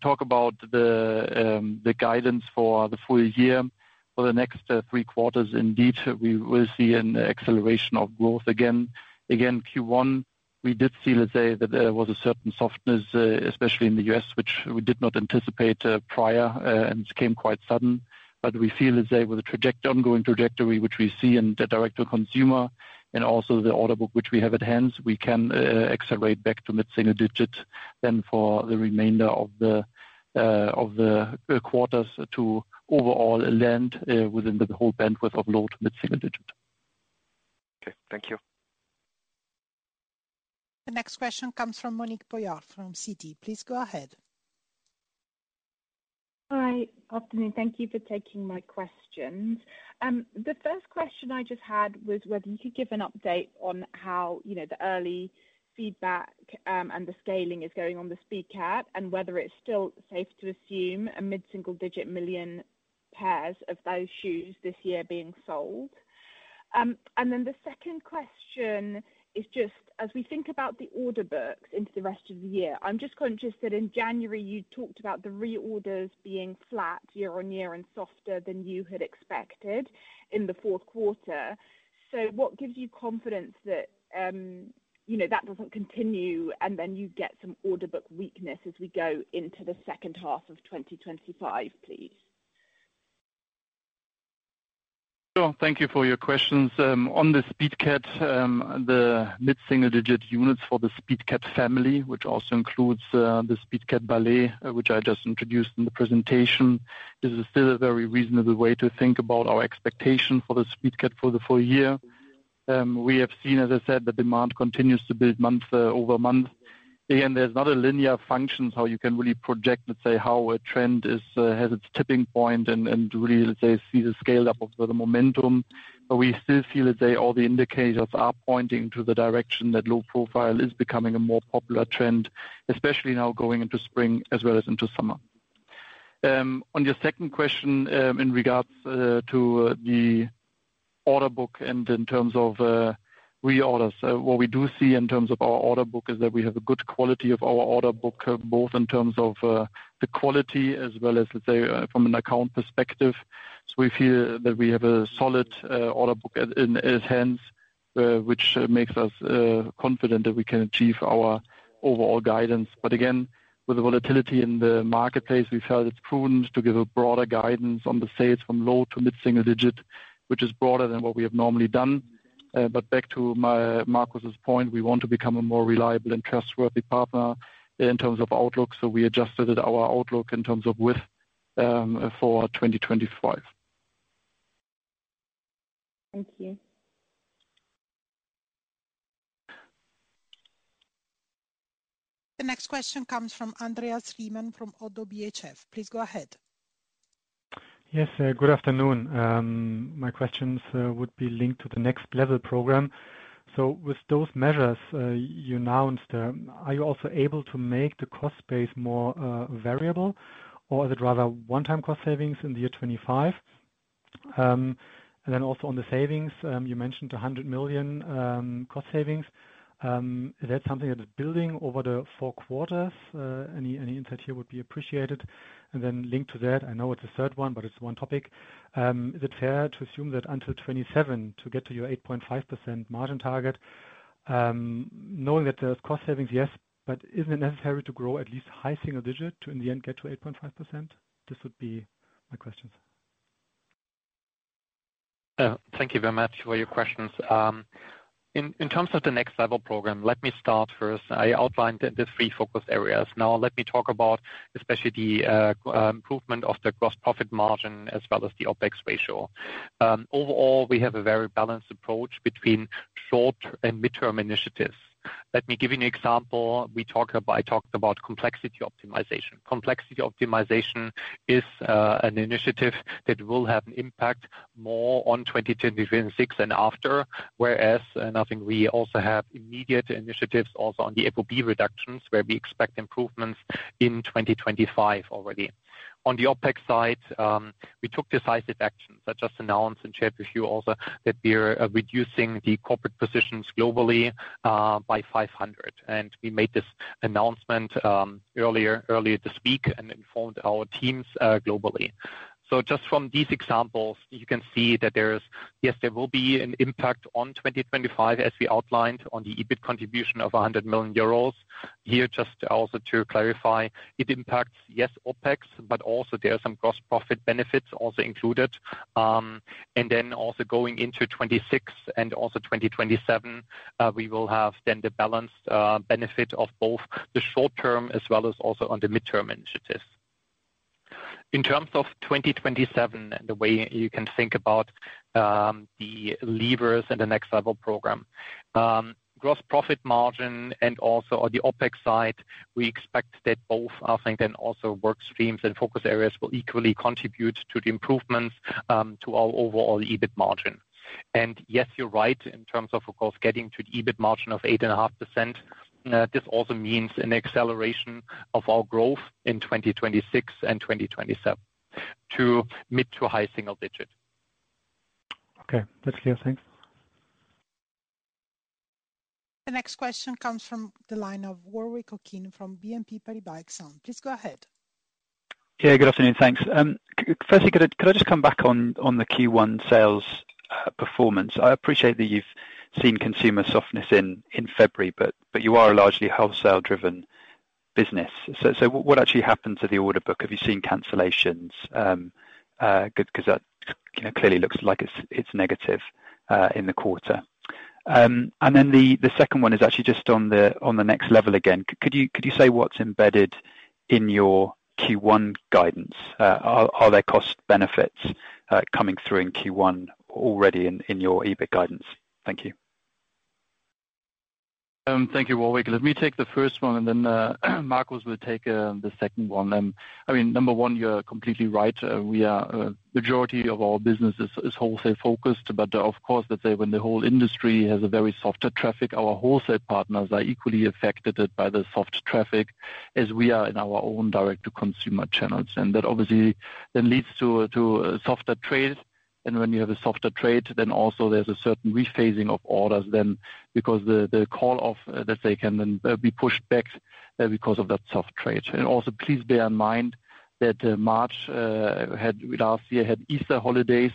talk about the guidance for the full year for the next three quarters, indeed, we will see an acceleration of growth again. Again, Q1, we did see, let's say, that there was a certain softness, especially in the U.S., which we did not anticipate prior and came quite sudden. We feel, let's say, with the ongoing trajectory which we see in the direct-to-consumer and also the order book which we have at hand, we can accelerate back to mid-single digit then for the remainder of the quarters to overall land within the whole bandwidth of low to mid-single digit. Okay, thank you. The next question comes from Monique Pollard from Citi. Please go ahead. Hi, afternoon. Thank you for taking my questions. The first question I just had was whether you could give an update on how the early feedback and the scaling is going on the Speedcat and whether it's still safe to assume a mid-single digit million pairs of those shoes this year being sold. The second question is just, as we think about the order books into the rest of the year, I'm just conscious that in January you talked about the reorders being flat year on year and softer than you had expected in the fourth quarter. What gives you confidence that that does not continue and then you get some order book weakness as we go into the second half of 2025, please? Sure. Thank you for your questions. On the Speedcat, the mid-single digit units for the Speedcat family, which also includes the Speedcat Ballerina, which I just introduced in the presentation, is still a very reasonable way to think about our expectation for the Speedcat for the full year. We have seen, as I said, the demand continues to build month over month. Again, there's not a linear function how you can really project, let's say, how a trend has its tipping point and really, let's say, see the scale-up of the momentum. We still feel, let's say, all the indicators are pointing to the direction that low profile is becoming a more popular trend, especially now going into spring as well as into summer. On your second question in regards to the order book and in terms of reorders, what we do see in terms of our order book is that we have a good quality of our order book, both in terms of the quality as well as, let's say, from an account perspective. We feel that we have a solid order book in its hands, which makes us confident that we can achieve our overall guidance. Again, with the volatility in the marketplace, we felt it's prudent to give a broader guidance on the sales from low to mid-single digit, which is broader than what we have normally done. Back to Markus's point, we want to become a more reliable and trustworthy partner in terms of outlook. We adjusted our outlook in terms of width for 2025. Thank you. The next question comes from Andreas Riemann from ODDO BHF. Please go ahead. Yes, good afternoon. My questions would be linked to the Next Level Program. With those measures you announced, are you also able to make the cost base more variable, or is it rather one-time cost savings in the year 2025? Also on the savings, you mentioned 100 million cost savings. Is that something that is building over the four quarters? Any insight here would be appreciated. Linked to that, I know it's a third one, but it's one topic. Is it fair to assume that until 2027 to get to your 8.5% margin target, knowing that there's cost savings, yes, but isn't it necessary to grow at least high single digit to in the end get to 8.5%? This would be my questions. Thank you very much for your questions. In terms of the Next Level Program, let me start first. I outlined the three focus areas. Now let me talk about especially the improvement of the gross profit margin as well as the OpEx ratio. Overall, we have a very balanced approach between short and mid-term initiatives. Let me give you an example. I talked about complexity optimization. Complexity optimization is an initiative that will have an impact more on 2026 and after, whereas I think we also have immediate initiatives also on the FOB reductions where we expect improvements in 2025 already. On the OpEx side, we took decisive actions. I just announced and shared with you also that we are reducing the corporate positions globally by 500. We made this announcement earlier this week and informed our teams globally. Just from these examples, you can see that there is, yes, there will be an impact on 2025 as we outlined on the EBIT contribution of 100 million euros. Here, just also to clarify, it impacts, yes, OpEx, but also there are some gross profit benefits also included. Then also going into 2026 and also 2027, we will have the balanced benefit of both the short term as well as also the mid-term initiatives. In terms of 2027 and the way you can think about the levers and the Next Level Program, gross profit margin and also on the OpEx side, we expect that both, I think, work streams and focus areas will equally contribute to the improvements to our overall EBIT margin. Yes, you're right in terms of, of course, getting to the EBIT margin of 8.5%. This also means an acceleration of our growth in 2026 and 2027 to mid to high single digit. Okay, that's clear. Thanks. The next question comes from the line of Warwick Okines from BNP Paribas Exane. Please go ahead. Yeah, good afternoon. Thanks. Firstly, could I just come back on the Q1 sales performance? I appreciate that you've seen consumer softness in February, but you are a largely wholesale-driven business. So what actually happened to the order book? Have you seen cancellations? Good, because that clearly looks like it's negative in the quarter. And then the second one is actually just on the next level again. Could you say what's embedded in your Q1 guidance? Are there cost benefits coming through in Q1 already in your EBIT guidance? Thank you. Thank you, Warwick. Let me take the first one, and then Markus will take the second one. I mean, number one, you're completely right. The majority of our business is wholesale-focused, but of course, let's say when the whole industry has a very soft traffic, our wholesale partners are equally affected by the soft traffic as we are in our own direct-to-consumer channels. That obviously then leads to a softer trade. When you have a softer trade, there is a certain rephasing of orders because the call-off, let's say, can then be pushed back because of that soft trade. Please bear in mind that March last year had Easter holidays.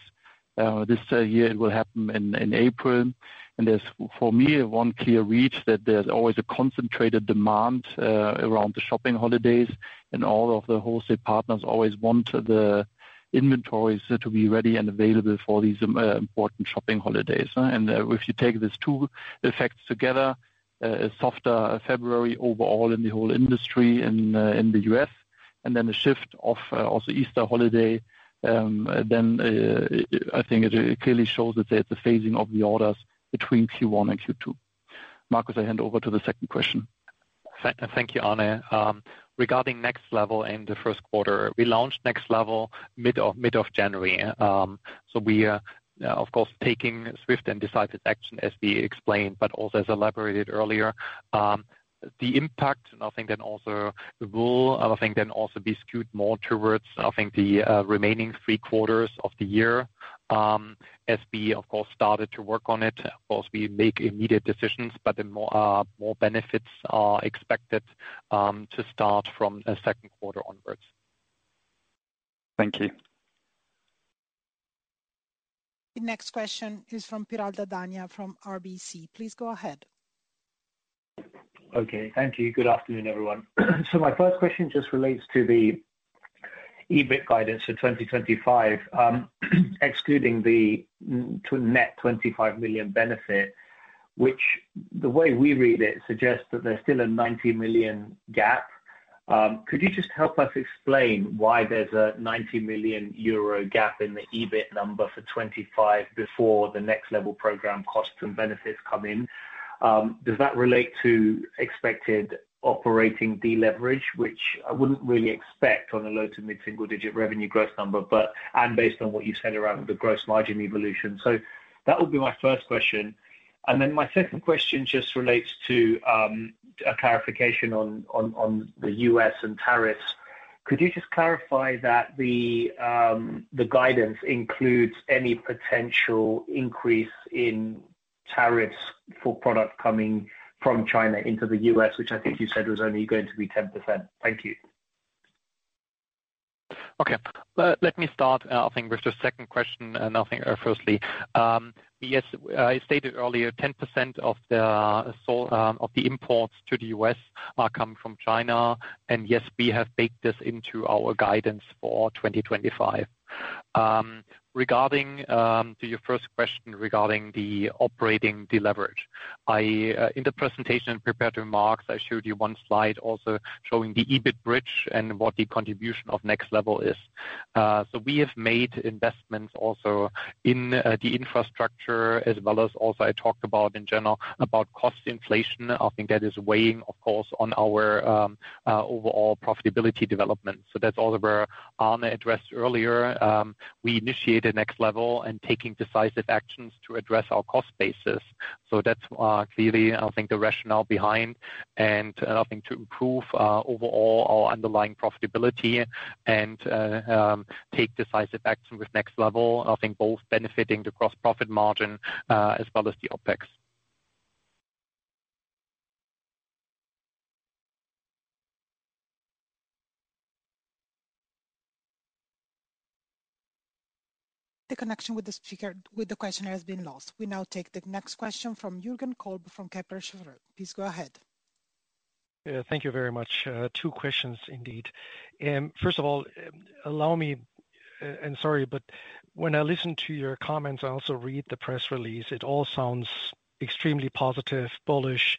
This year, it will happen in April. There is, for me, one clear read that there is always a concentrated demand around the shopping holidays, and all of the wholesale partners always want the inventories to be ready and available for these important shopping holidays. If you take these two effects together, a softer February overall in the whole industry in the U.S., and then a shift of also Easter holiday, I think it clearly shows that there is a phasing of the orders between Q1 and Q2. Markus, I hand over to the second question. Thank you, Arne. Regarding next level and the first quarter, we launched next level mid of January. We are, of course, taking swift and decided action, as we explained, but also as elaborated earlier. The impact, and I think then also will, I think then also be skewed more towards, I think, the remaining three quarters of the year as we, of course, started to work on it. Of course, we make immediate decisions, but more benefits are expected to start from the second quarter onwards. Thank you. The next question is from Piral Dadhania from RBC. Please go ahead. Okay, thank you. Good afternoon, everyone. My first question just relates to the EBIT guidance for 2025, excluding the net 25 million benefit, which the way we read it suggests that there's still a 90 million GAAP. Could you just help us explain why there's a 90 million euro GAAP in the EBIT number for 2025 before the Next Level Program costs and benefits come in? Does that relate to expected operating deleverage, which I wouldn't really expect on a low to mid-single digit revenue growth number, and based on what you said around the gross margin evolution? That would be my first question. My second question just relates to a clarification on the U.S. and tariffs. Could you just clarify that the guidance includes any potential increase in tariffs for product coming from China into the U.S., which I think you said was only going to be 10%? Thank you. Okay, let me start, I think, with the second question and I think firstly. Yes, I stated earlier 10% of the imports to the U.S. are coming from China. Yes, we have baked this into our guidance for 2025. Regarding your first question regarding the operating deleverage, in the presentation and prepared remarks, I showed you one slide also showing the EBIT bridge and what the contribution of Next Level is. We have made investments also in the infrastructure as well as also I talked about in general about cost inflation. I think that is weighing, of course, on our overall profitability development. That is also where Arne addressed earlier. We initiated Next Level and are taking decisive actions to address our cost basis. That is clearly, I think, the rationale behind and I think to improve overall our underlying profitability and take decisive action with Next Level, I think both benefiting the gross profit margin as well as the OpEx. The connection with the questionnaire has been lost. We now take the next question from Jürgen Kolb from Kepler Cheuvreux. Please go ahead. Thank you very much. Two questions indeed. First of all, allow me, and sorry, but when I listen to your comments, I also read the press release. It all sounds extremely positive, bullish.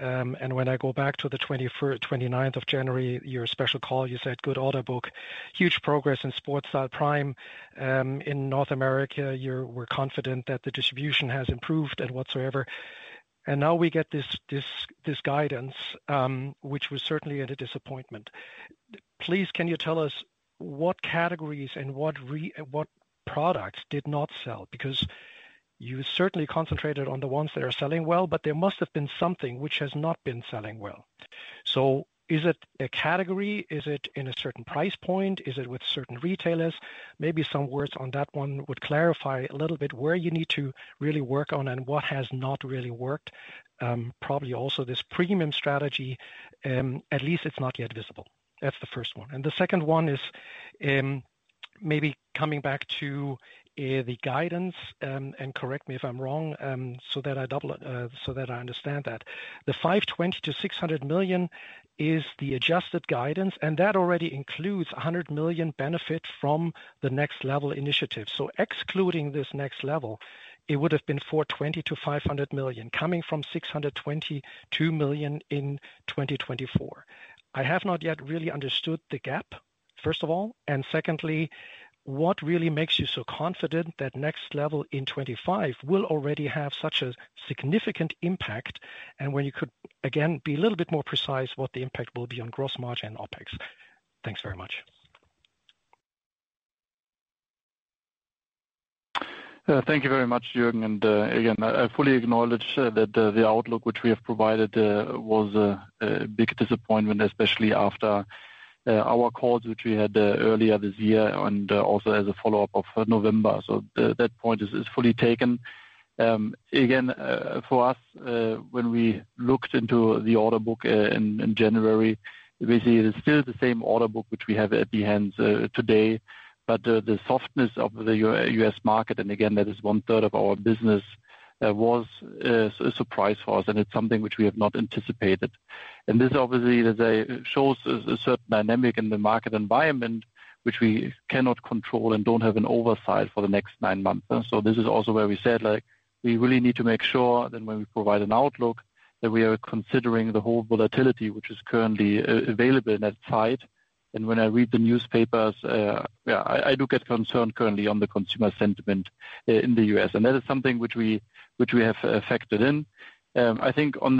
When I go back to the 29th of January, your special call, you said good order book, huge progress in sports style prime in North America. We're confident that the distribution has improved and whatsoever. Now we get this guidance, which was certainly a disappointment. Please, can you tell us what categories and what products did not sell? Because you certainly concentrated on the ones that are selling well, but there must have been something which has not been selling well. Is it a category? Is it in a certain price point? Is it with certain retailers? Maybe some words on that one would clarify a little bit where you need to really work on and what has not really worked. Probably also this premium strategy, at least it's not yet visible. That's the first one. The second one is maybe coming back to the guidance, and correct me if I'm wrong, so that I understand that. The 520 million-600 million is the adjusted guidance, and that already includes 100 million benefit from the Next Level initiative. Excluding this Next Level, it would have been 420 million-500 million coming from 622 million in 2024. I have not yet really understood the GAAP, first of all. Secondly, what really makes you so confident that Next Level in 2025 will already have such a significant impact? When you could again be a little bit more precise what the impact will be on gross margin and OpEx. Thanks very much. Thank you very much, Jürgen. I fully acknowledge that the outlook which we have provided was a big disappointment, especially after our calls which we had earlier this year and also as a follow-up of November. That point is fully taken. For us, when we looked into the order book in January, we see it is still the same order book which we have at the hands today, but the softness of the U.S. market, and that is 1/3 of our business, was a surprise for us, and it's something which we have not anticipated. This obviously shows a certain dynamic in the market environment which we cannot control and do not have an oversight for the next nine months. This is also where we said we really need to make sure that when we provide an outlook, we are considering the whole volatility which is currently available in that side. When I read the newspapers, yeah, I do get concerned currently on the consumer sentiment in the U.S. That is something which we have factored in. I think on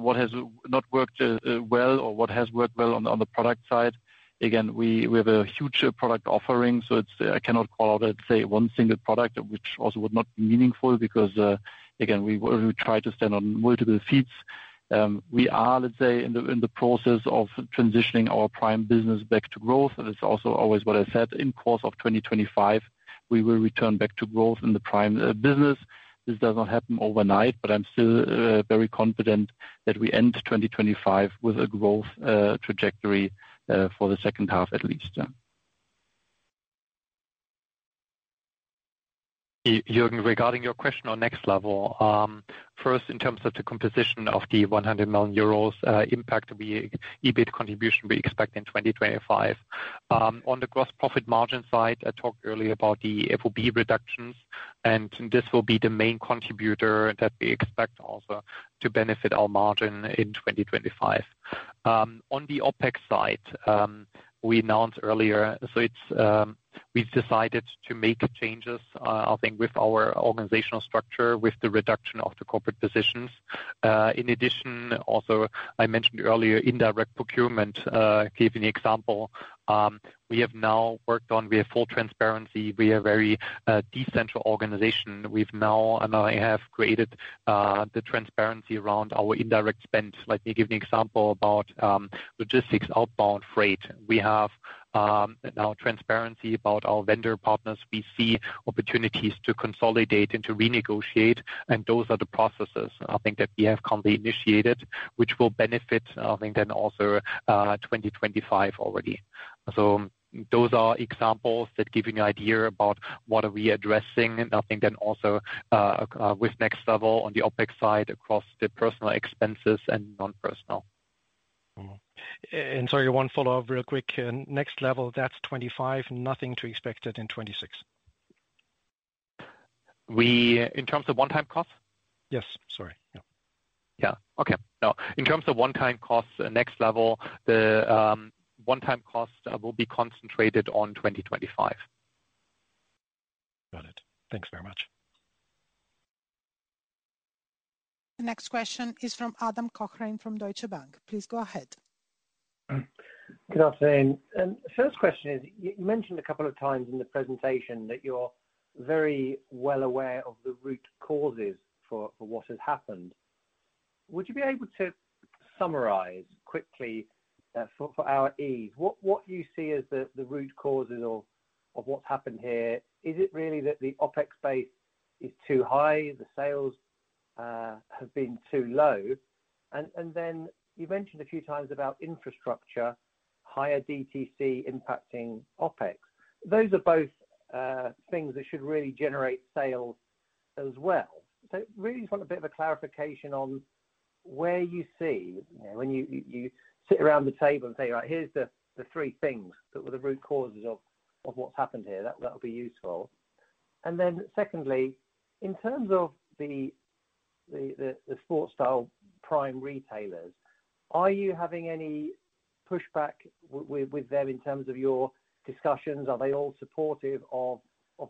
what has not worked well or what has worked well on the product side, again, we have a huge product offering, so I cannot call out, let's say, one single product, which also would not be meaningful because, again, we try to stand on multiple feets. We are, let's say, in the process of transitioning our prime business back to growth. It is also always what I said in course of 2025, we will return back to growth in the prime business. This does not happen overnight, but I'm still very confident that we end 2025 with a growth trajectory for the second half at least. Jürgen, regarding your question on Next Level, first, in terms of the composition of the 100 million euros impact EBIT contribution we expect in 2025. On the gross profit margin side, I talked earlier about the FOB reductions, and this will be the main contributor that we expect also to benefit our margin in 2025. On the OpEx side, we announced earlier, so we decided to make changes, I think, with our organizational structure, with the reduction of the corporate positions. In addition, also, I mentioned earlier indirect procurement, gave an example. We have now worked on, we have full transparency. We are a very decentralized organization. We've now, and I have created the transparency around our indirect spend. Let me give you an example about logistics outbound freight. We have now transparency about our vendor partners. We see opportunities to consolidate and to renegotiate, and those are the processes, I think, that we have currently initiated, which will benefit, I think, then also 2025 already. Those are examples that give you an idea about what are we addressing, and I think then also with next level on the OpEx side across the personal expenses and non-personal. Sorry, one follow-up real quick. Next level, that is 2025, nothing to expect in 2026. In terms of one-time cost? Yes, sorry. Yeah. Yeah. Okay. No. In terms of one-time costs, next level, the one-time costs will be concentrated on 2025. Got it. Thanks very much. The next question is from Adam Cochrane from Deutsche Bank. Please go ahead. Good afternoon. First question is, you mentioned a couple of times in the presentation that you're very well aware of the root causes for what has happened. Would you be able to summarize quickly for our ease what you see as the root causes of what's happened here? Is it really that the OpEx base is too high? The sales have been too low? You mentioned a few times about infrastructure, higher DTC impacting OpEx. Those are both things that should really generate sales as well. I really just want a bit of a clarification on where you see when you sit around the table and say, "Right, here's the three things that were the root causes of what's happened here." That would be useful. Secondly, in terms of the sports style prime retailers, are you having any pushback with them in terms of your discussions? Are they all supportive of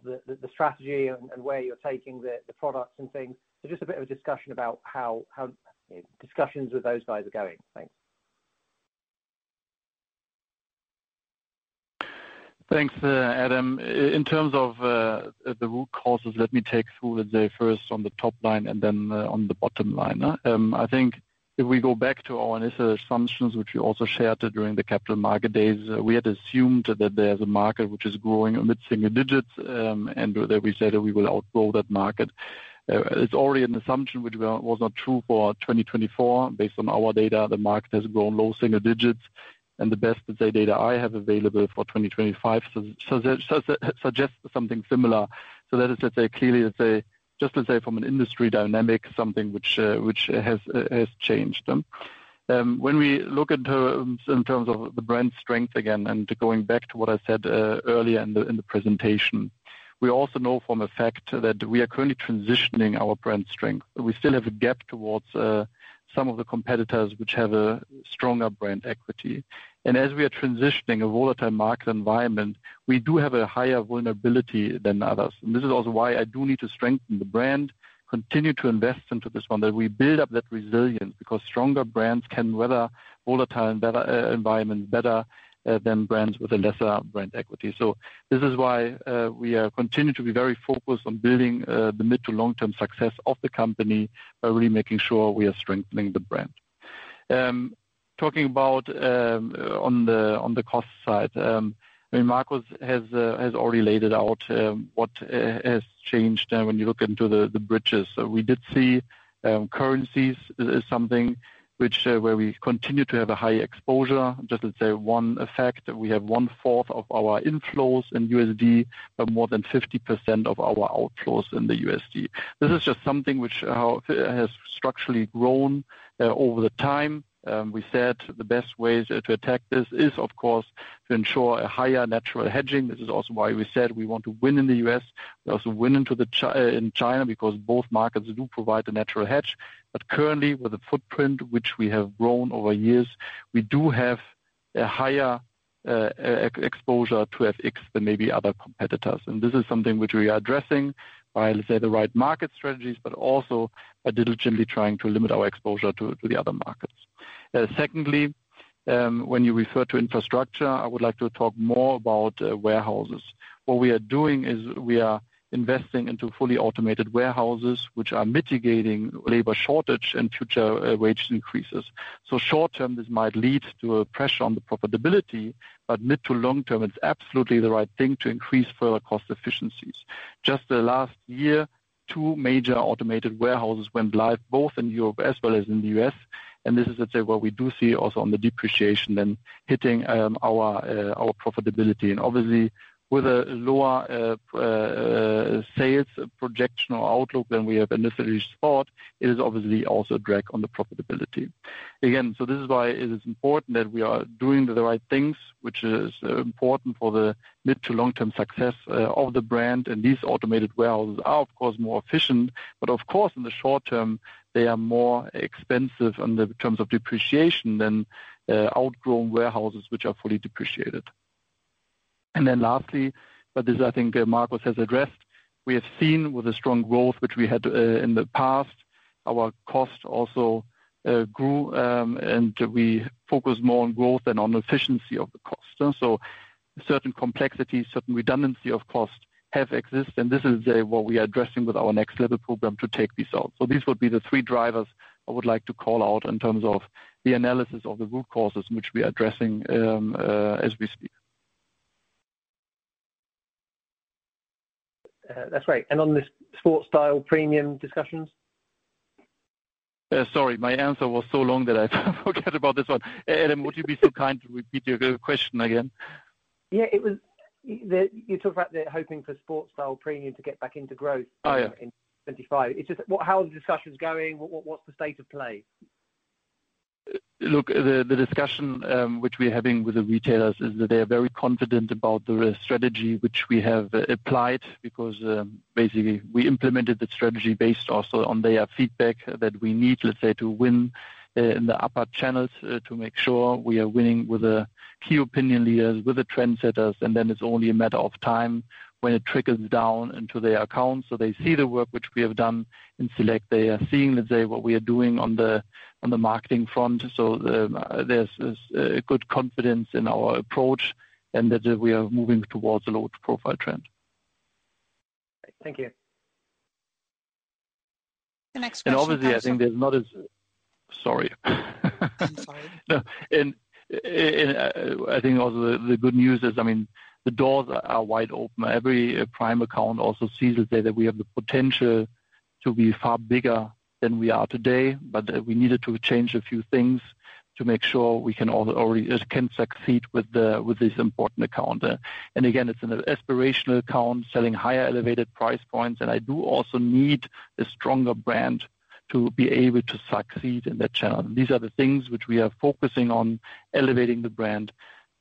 the strategy and where you're taking the products and things? Just a bit of a discussion about how discussions with those guys are going. Thanks. Thanks, Adam. In terms of the root causes, let me take you through, let's say, first on the top line and then on the bottom line. I think if we go back to our initial assumptions, which we also shared during the capital market days, we had assumed that there's a market which is growing amid single digits, and we said we will outgrow that market. It's already an assumption which was not true for 2024. Based on our data, the market has grown low single digits, and the best data I have available for 2025 suggests something similar. That is, clearly, just from an industry dynamic, something which has changed. When we look at terms in terms of the brand strength again, and going back to what I said earlier in the presentation, we also know from a fact that we are currently transitioning our brand strength. We still have a gap towards some of the competitors which have a stronger brand equity. As we are transitioning a volatile market environment, we do have a higher vulnerability than others. This is also why I do need to strengthen the brand, continue to invest into this one, that we build up that resilience because stronger brands can weather volatile environments better than brands with a lesser brand equity. This is why we continue to be very focused on building the mid to long-term success of the company by really making sure we are strengthening the brand. Talking about on the cost side, I mean, Markus has already laid it out what has changed when you look into the bridges. We did see currencies is something where we continue to have a high exposure. Just, let's say, one fact, we have 1/4 of our inflows in USD, but more than 50% of our outflows in the USD. This is just something which has structurally grown over the time. We said the best way to attack this is, of course, to ensure a higher natural hedging. This is also why we said we want to win in the U.S.. We also win in China because both markets do provide a natural hedge. Currently, with the footprint which we have grown over years, we do have a higher exposure to FX than maybe other competitors. This is something which we are addressing by, let's say, the right market strategies, but also by diligently trying to limit our exposure to the other markets. Secondly, when you refer to infrastructure, I would like to talk more about warehouses. What we are doing is we are investing into fully automated warehouses which are mitigating labor shortage and future wage increases. Short term, this might lead to a pressure on the profitability, but mid to long term, it is absolutely the right thing to increase further cost efficiencies. Just last year, two major automated warehouses went live, both in Europe as well as in the U.S.. This is, let's say, what we do see also on the depreciation and hitting our profitability. Obviously, with a lower sales projection or outlook than we have initially thought, it is obviously also a drag on the profitability. Again, this is why it is important that we are doing the right things, which is important for the mid to long-term success of the brand. These automated warehouses are, of course, more efficient, but in the short term, they are more expensive in terms of depreciation than outgrown warehouses which are fully depreciated. Lastly, but this, I think Markus has addressed, we have seen with a strong growth which we had in the past, our cost also grew, and we focused more on growth than on efficiency of the cost. Certain complexities, certain redundancy of cost have existed, and this is what we are addressing with our Next Level Program to take these out. These would be the three drivers I would like to call out in terms of the analysis of the root causes which we are addressing as we speak. That's great. On the sports style premium discussions? Sorry, my answer was so long that I forgot about this one. Adam, would you be so kind to repeat your question again? Yeah, it was that you talked about the hoping for sports style premium to get back into growth in 2025. It's just how are the discussions going? What's the state of play? Look, the discussion which we are having with the retailers is that they are very confident about the strategy which we have applied because basically, we implemented the strategy based also on their feedback that we need, let's say, to win in the upper channels to make sure we are winning with the key opinion leaders, with the trendsetters, and then it's only a matter of time when it trickles down into their accounts. They see the work which we have done in Select. They are seeing, let's say, what we are doing on the marketing front. There is a good confidence in our approach and that we are moving towards a low profile trend. Thank you. The next question-- I think also the good news is, I mean, the doors are wide open. Every prime account also sees, let's say, that we have the potential to be far bigger than we are today, but we needed to change a few things to make sure we can already succeed with this important account. Again, it's an aspirational account selling higher elevated price points, and I do also need a stronger brand to be able to succeed in that channel. These are the things which we are focusing on, elevating the brand,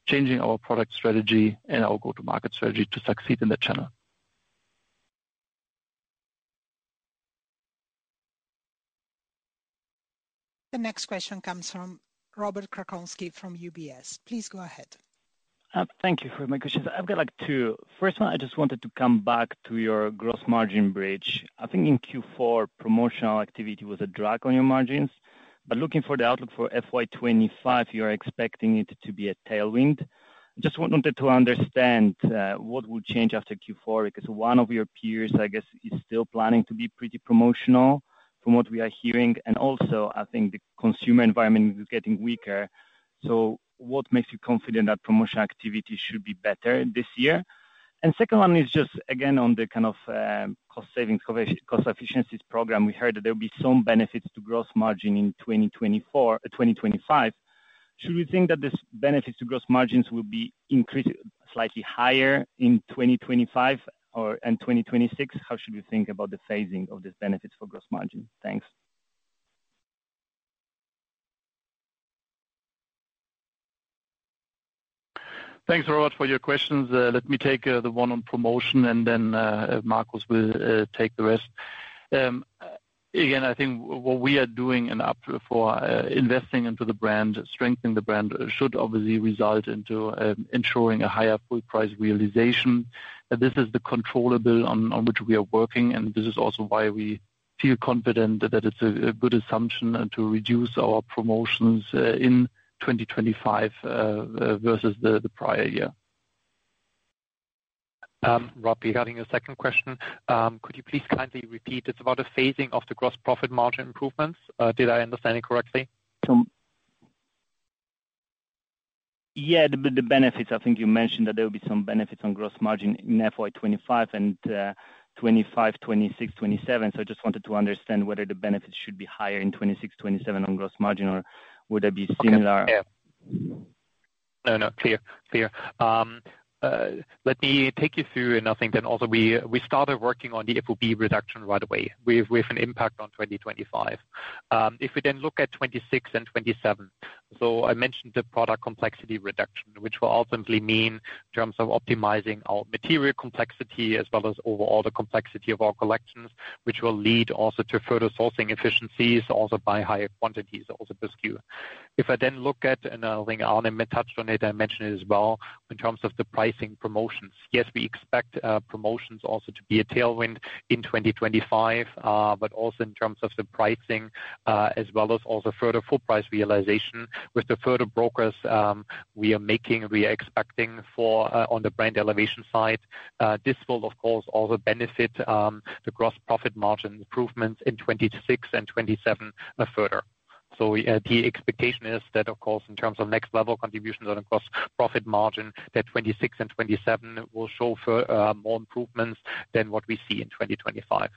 changing our product strategy, and our go-to-market strategy to succeed in that channel. The next question comes from Robert Krankowski from UBS. Please go ahead. Thank you for my question. I've got like two. First one, I just wanted to come back to your gross margin bridge. I think in Q4, promotional activity was a drag on your margins, but looking for the outlook for FY 2025, you're expecting it to be a tailwind. I just wanted to understand what will change after Q4 because one of your peers, I guess, is still planning to be pretty promotional from what we are hearing. I think the consumer environment is getting weaker. What makes you confident that promotional activity should be better this year? The second one is just, again, on the kind of cost savings, cost efficiencies program, we heard that there will be some benefits to gross margin in 2025. Should we think that this benefit to gross margins will be increased slightly higher in 2025 and 2026? How should we think about the phasing of this benefit for gross margin? Thanks. Thanks very much for your questions. Let me take the one on promotion, and then Markus will take the rest. Again, I think what we are doing and investing into the brand, strengthening the brand, should obviously result into ensuring a higher full price realization. This is the controller bill on which we are working, and this is also why we feel confident that it's a good assumption to reduce our promotions in 2025 versus the prior year. Rob, you're having a second question. Could you please kindly repeat? It's about a phasing of the gross profit margin improvements. Did I understand it correctly? Yeah, the benefits. I think you mentioned that there will be some benefits on gross margin in FY 2025 and 2025, 2026, 2027. So I just wanted to understand whether the benefits should be higher in 2026, 2027 on gross margin, or would there be similar? No, not clear. Clear. Let me take you through, and I think then also we started working on the FOB reduction right away with an impact on 2025. If we then look at 2026 and 2027, I mentioned the product complexity reduction, which will ultimately mean in terms of optimizing our material complexity as well as overall the complexity of our collections, which will lead also to further sourcing efficiencies also by higher quantities also per SKU. If I then look at, and I think Arne touched on it, I mentioned it as well in terms of the pricing promotions. Yes, we expect promotions also to be a tailwind in 2025, but also in terms of the pricing as well as also further full price realization with the further progress we are making, we are expecting for on the brand elevation side. This will, of course, also benefit the gross profit margin improvements in 2026 and 2027 further. The expectation is that, of course, in terms of next level contributions on the gross profit margin, 2026 and 2027 will show more improvements than what we see in 2025.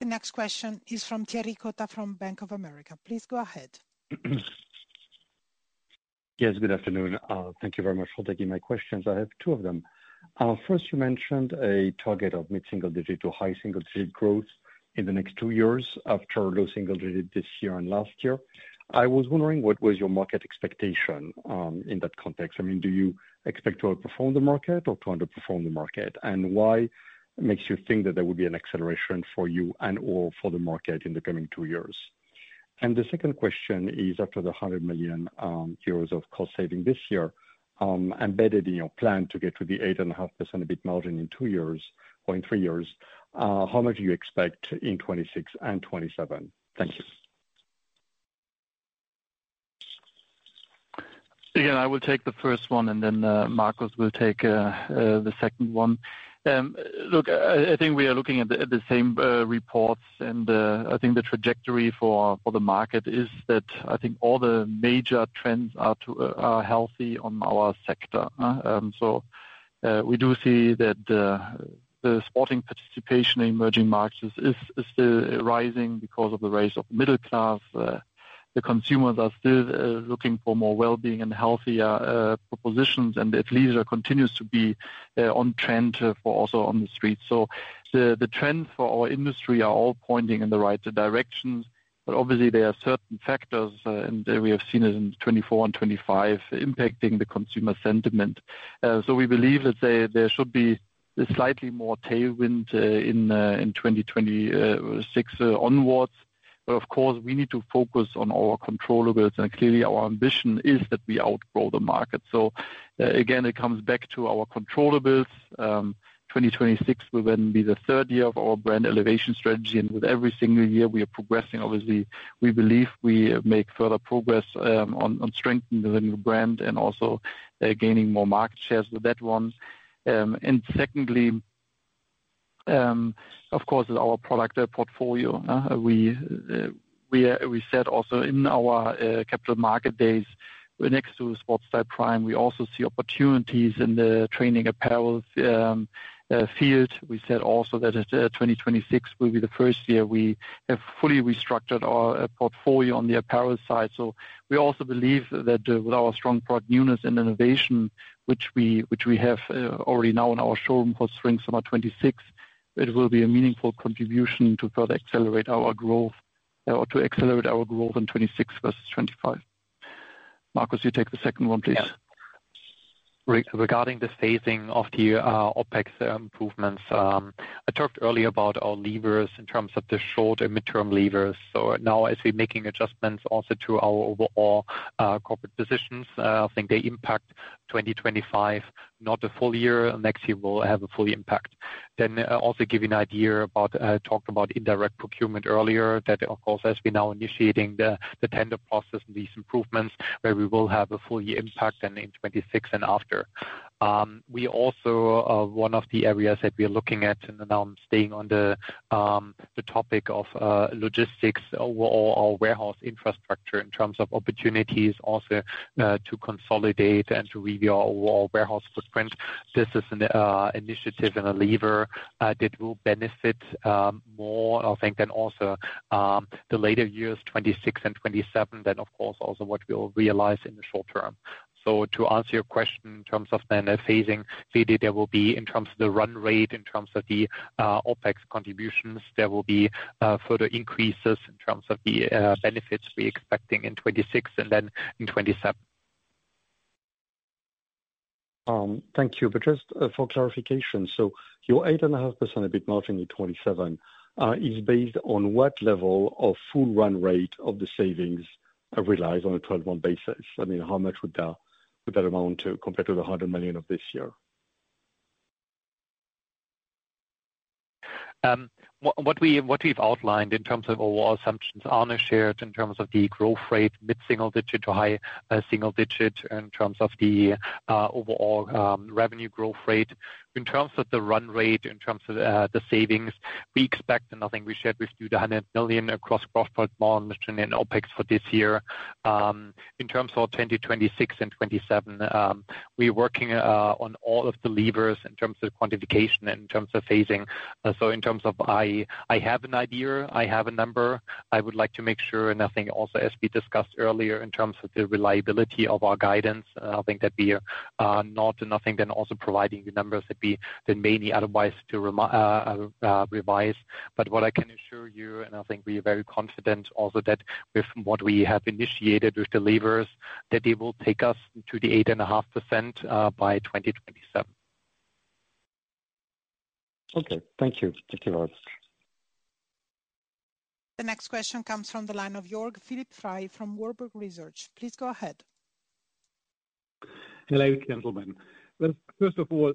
The next question is from Thierry Cota from Bank of America. Please go ahead. Yes, good afternoon. Thank you very much for taking my questions. I have two of them. First, you mentioned a target of mid-single digit to high single digit growth in the next two years after low single digit this year and last year. I was wondering what was your market expectation in that context? I mean, do you expect to outperform the market or to underperform the market? Why makes you think that there would be an acceleration for you and/or for the market in the coming two years? The second question is, after the 100 million euros of cost saving this year embedded in your plan to get to the 8.5% EBIT margin in two years or in three years, how much do you expect in 2026 and 2027? Thank you. Again, I will take the first one, and then Markus will take the second one. Look, I think we are looking at the same reports, and I think the trajectory for the market is that I think all the major trends are healthy on our sector. We do see that the sporting participation in emerging markets is still rising because of the rise of the middle class. The consumers are still looking for more well-being and healthier propositions, and at least it continues to be on trend for also on the streets. The trends for our industry are all pointing in the right direction, but obviously, there are certain factors, and we have seen it in 2024 and 2025 impacting the consumer sentiment. We believe, let's say, there should be slightly more tailwind in 2026 onwards. Of course, we need to focus on our controller bills, and clearly, our ambition is that we outgrow the market. Again, it comes back to our controller bills. 2026 will then be the third year of our brand elevation strategy, and with every single year, we are progressing. Obviously, we believe we make further progress on strengthening the brand and also gaining more market shares with that one. Secondly, of course, our product portfolio. We said also in our Capital Market Days, next to sports style prime, we also see opportunities in the training apparel field. We said also that 2026 will be the first year we have fully restructured our portfolio on the apparel side. We also believe that with our strong product newness and innovation, which we have already now in our showroom for spring summer 2026, it will be a meaningful contribution to further accelerate our growth or to accelerate our growth in 2026 versus 2025. Markus, you take the second one, please. Regarding the phasing of the OpEx improvements, I talked earlier about our levers in terms of the short and midterm levers. Now, as we are making adjustments also to our overall corporate positions, I think they impact 2025, not the full year. Next year, we will have a full impact. Will also give you an idea about, talked about indirect procurement earlier, that, of course, as we're now initiating the tender process and these improvements, we will have a full impact then in 2026 and after. We also have one of the areas that we are looking at, and now I'm staying on the topic of logistics overall, our warehouse infrastructure in terms of opportunities also to consolidate and to review our overall warehouse footprint. This is an initiative and a lever that will benefit more, I think, than also the later years, 2026 and 2027, then, of course, also what we will realize in the short term. To answer your question in terms of the phasing, clearly, there will be, in terms of the run rate, in terms of the OpEx contributions, further increases in terms of the benefits we are expecting in 2026 and then in 2027. Thank you. Just for clarification, your 8.5% EBIT margin in 2027 is based on what level of full run rate of the savings realized on a 12-month basis? I mean, how much would that amount to compared to the 100 million of this year? What we have outlined in terms of our assumptions are shared in terms of the growth rate, mid-single digit to high single digit in terms of the overall revenue growth rate. In terms of the run rate, in terms of the savings, we expect, and I think we shared with you, the 100 million across gross profit margin and OpEx for this year. In terms of 2026 and 2027, we are working on all of the levers in terms of quantification and in terms of phasing. In terms of I have an idea, I have a number, I would like to make sure nothing also, as we discussed earlier, in terms of the reliability of our guidance, I think that we are not, and I think then also providing the numbers that we then may need otherwise to revise. What I can assure you, and I think we are very confident also that with what we have initiated with the levers, that they will take us to the 8.5% by 2027. Okay. Thank you. Thank you very much. The next question comes from the line of Jörg Philipp Frey from Warburg Research. Please go ahead. Hello, gentlemen. First of all,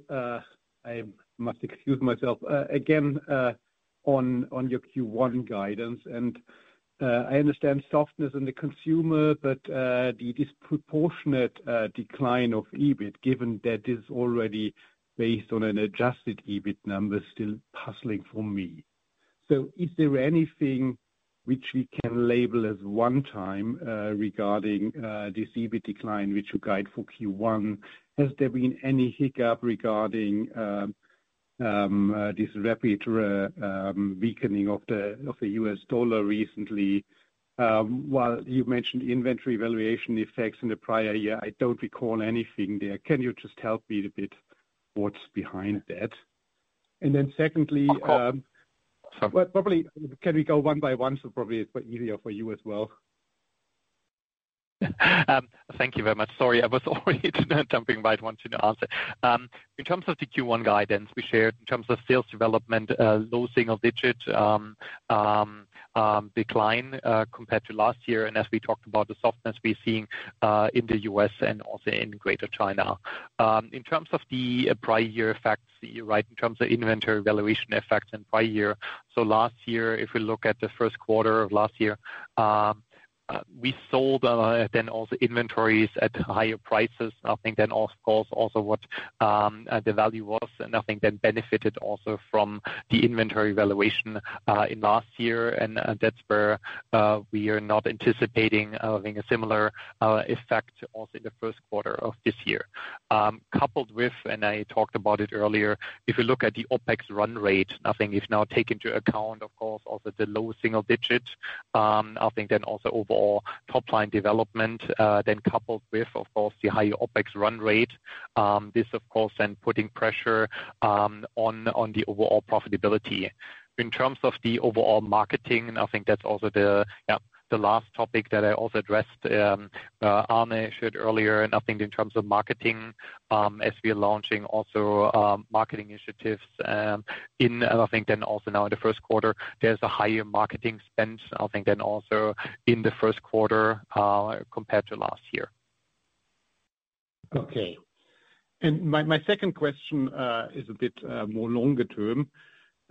I must excuse myself again on your Q1 guidance. I understand softness in the consumer, but the disproportionate decline of EBIT, given that this is already based on an adjusted EBIT number, is still puzzling for me. Is there anything which we can label as one-time regarding this EBIT decline which you guide for Q1? Has there been any hiccup regarding this rapid weakening of the U.S. dollar recently? You mentioned inventory valuation effects in the prior year. I do not recall anything there. Can you just help me a bit what is behind that? Secondly, probably can we go one by one so probably it is easier for you as well? Thank you very much. Sorry, I was already jumping right on to the answer. In terms of the Q1 guidance we shared in terms of sales development, low single-digit decline compared to last year, and as we talked about the softness we're seeing in the U.S. and also in Greater China. In terms of the prior year effects, right, in terms of inventory valuation effects and prior year, so last year, if we look at the first quarter of last year, we sold then also inventories at higher prices. I think then of course also what the value was, and I think then benefited also from the inventory valuation in last year, and that's where we are not anticipating having a similar effect also in the first quarter of this year. Coupled with, and I talked about it earlier, if we look at the OpEx run rate, I think if now taken into account, of course, also the low single digit, I think then also overall top-line development, then coupled with, of course, the higher OpEx run rate, this of course then putting pressure on the overall profitability. In terms of the overall marketing, and I think that's also the last topic that I also addressed, Arne shared earlier, and I think in terms of marketing, as we are launching also marketing initiatives in, and I think then also now in the first quarter, there's a higher marketing spend, I think then also in the first quarter compared to last year. Okay. My second question is a bit more longer term.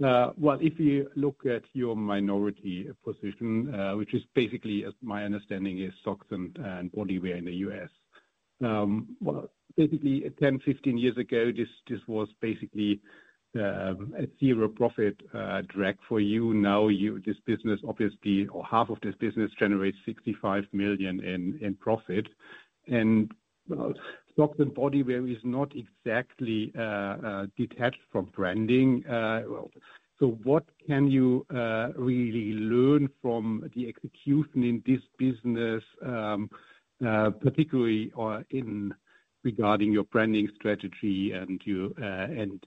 If you look at your minority position, which is basically, as my understanding, is socks and bodywear in the U.S.. Basically, 10-15 years ago, this was basically a zero profit drag for you. Now this business, obviously, or half of this business generates 65 million in profit. Socks and bodywear is not exactly detached from branding. What can you really learn from the execution in this business, particularly regarding your branding strategy and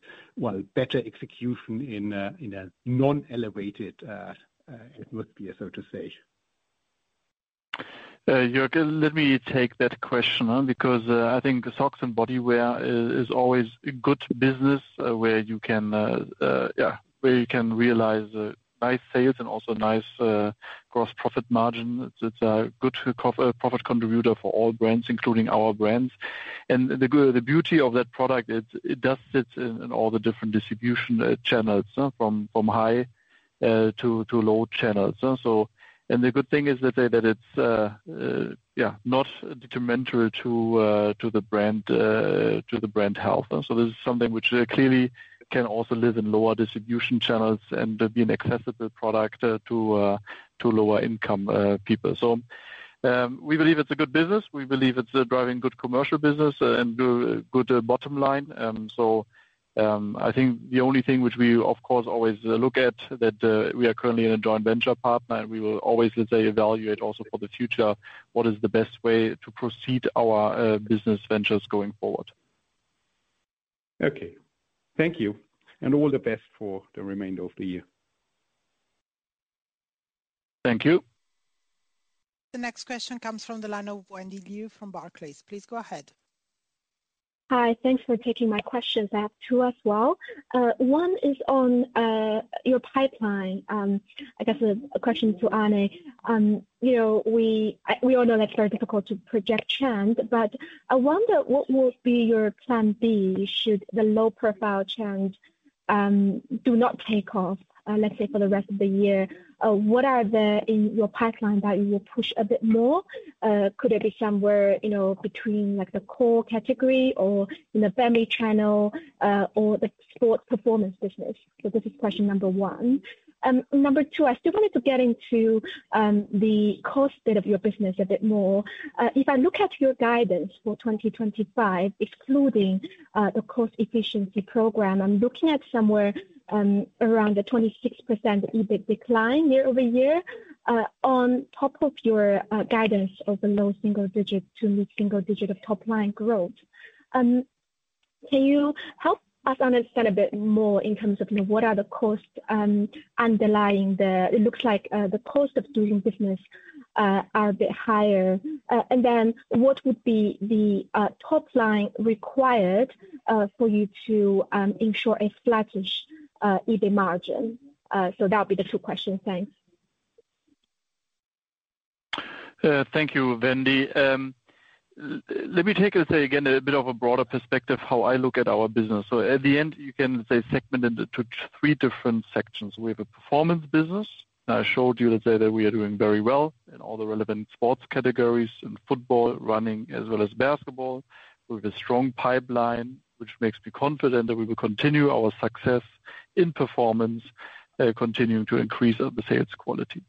better execution in a non-elevated atmosphere, so to say? Jörg, let me take that question because I think socks and bodywear is always a good business where you can realize nice sales and also nice gross profit margin. It is a good profit contributor for all brands, including our brands. The beauty of that product is it does sit in all the different distribution channels from high to low channels. The good thing is that it's not detrimental to the brand health. This is something which clearly can also live in lower distribution channels and be an accessible product to lower-income people. We believe it's a good business. We believe it's a driving good commercial business and good bottom line. I think the only thing which we, of course, always look at is that we are currently in a joint venture partner, and we will always, let's say, evaluate also for the future what is the best way to proceed our business ventures going forward. Thank you. All the best for the remainder of the year. Thank you. The next question comes from the line of Wendy Liu from Barclays. Please go ahead. Hi. Thanks for taking my questions back to us as well. One is on your pipeline. I guess a question to Arne. We all know that it's very difficult to project trends, but I wonder what will be your plan B should the low-profile trends do not take off, let's say, for the rest of the year? What are in your pipeline that you will push a bit more? Could it be somewhere between the core category or in the family channel or the sports performance business? This is question number one. Number two, I still wanted to get into the cost bit of your business a bit more. If I look at your guidance for 2025, excluding the cost efficiency program, I'm looking at somewhere around a 26% EBIT decline year over year on top of your guidance of the low single digit to mid-single digit of top-line growth. Can you help us understand a bit more in terms of what are the costs underlying the it looks like the cost of doing business are a bit higher? What would be the top line required for you to ensure a flattish EBIT margin? That would be the two questions. Thanks. Thank you, Wendy. Let me take, let's say, again, a bit of a broader perspective how I look at our business. At the end, you can, let's say, segment it into three different sections. We have a performance business. I showed you, let's say, that we are doing very well in all the relevant sports categories in football, running, as well as basketball. We have a strong pipeline, which makes me confident that we will continue our success in performance, continuing to increase our sales quality.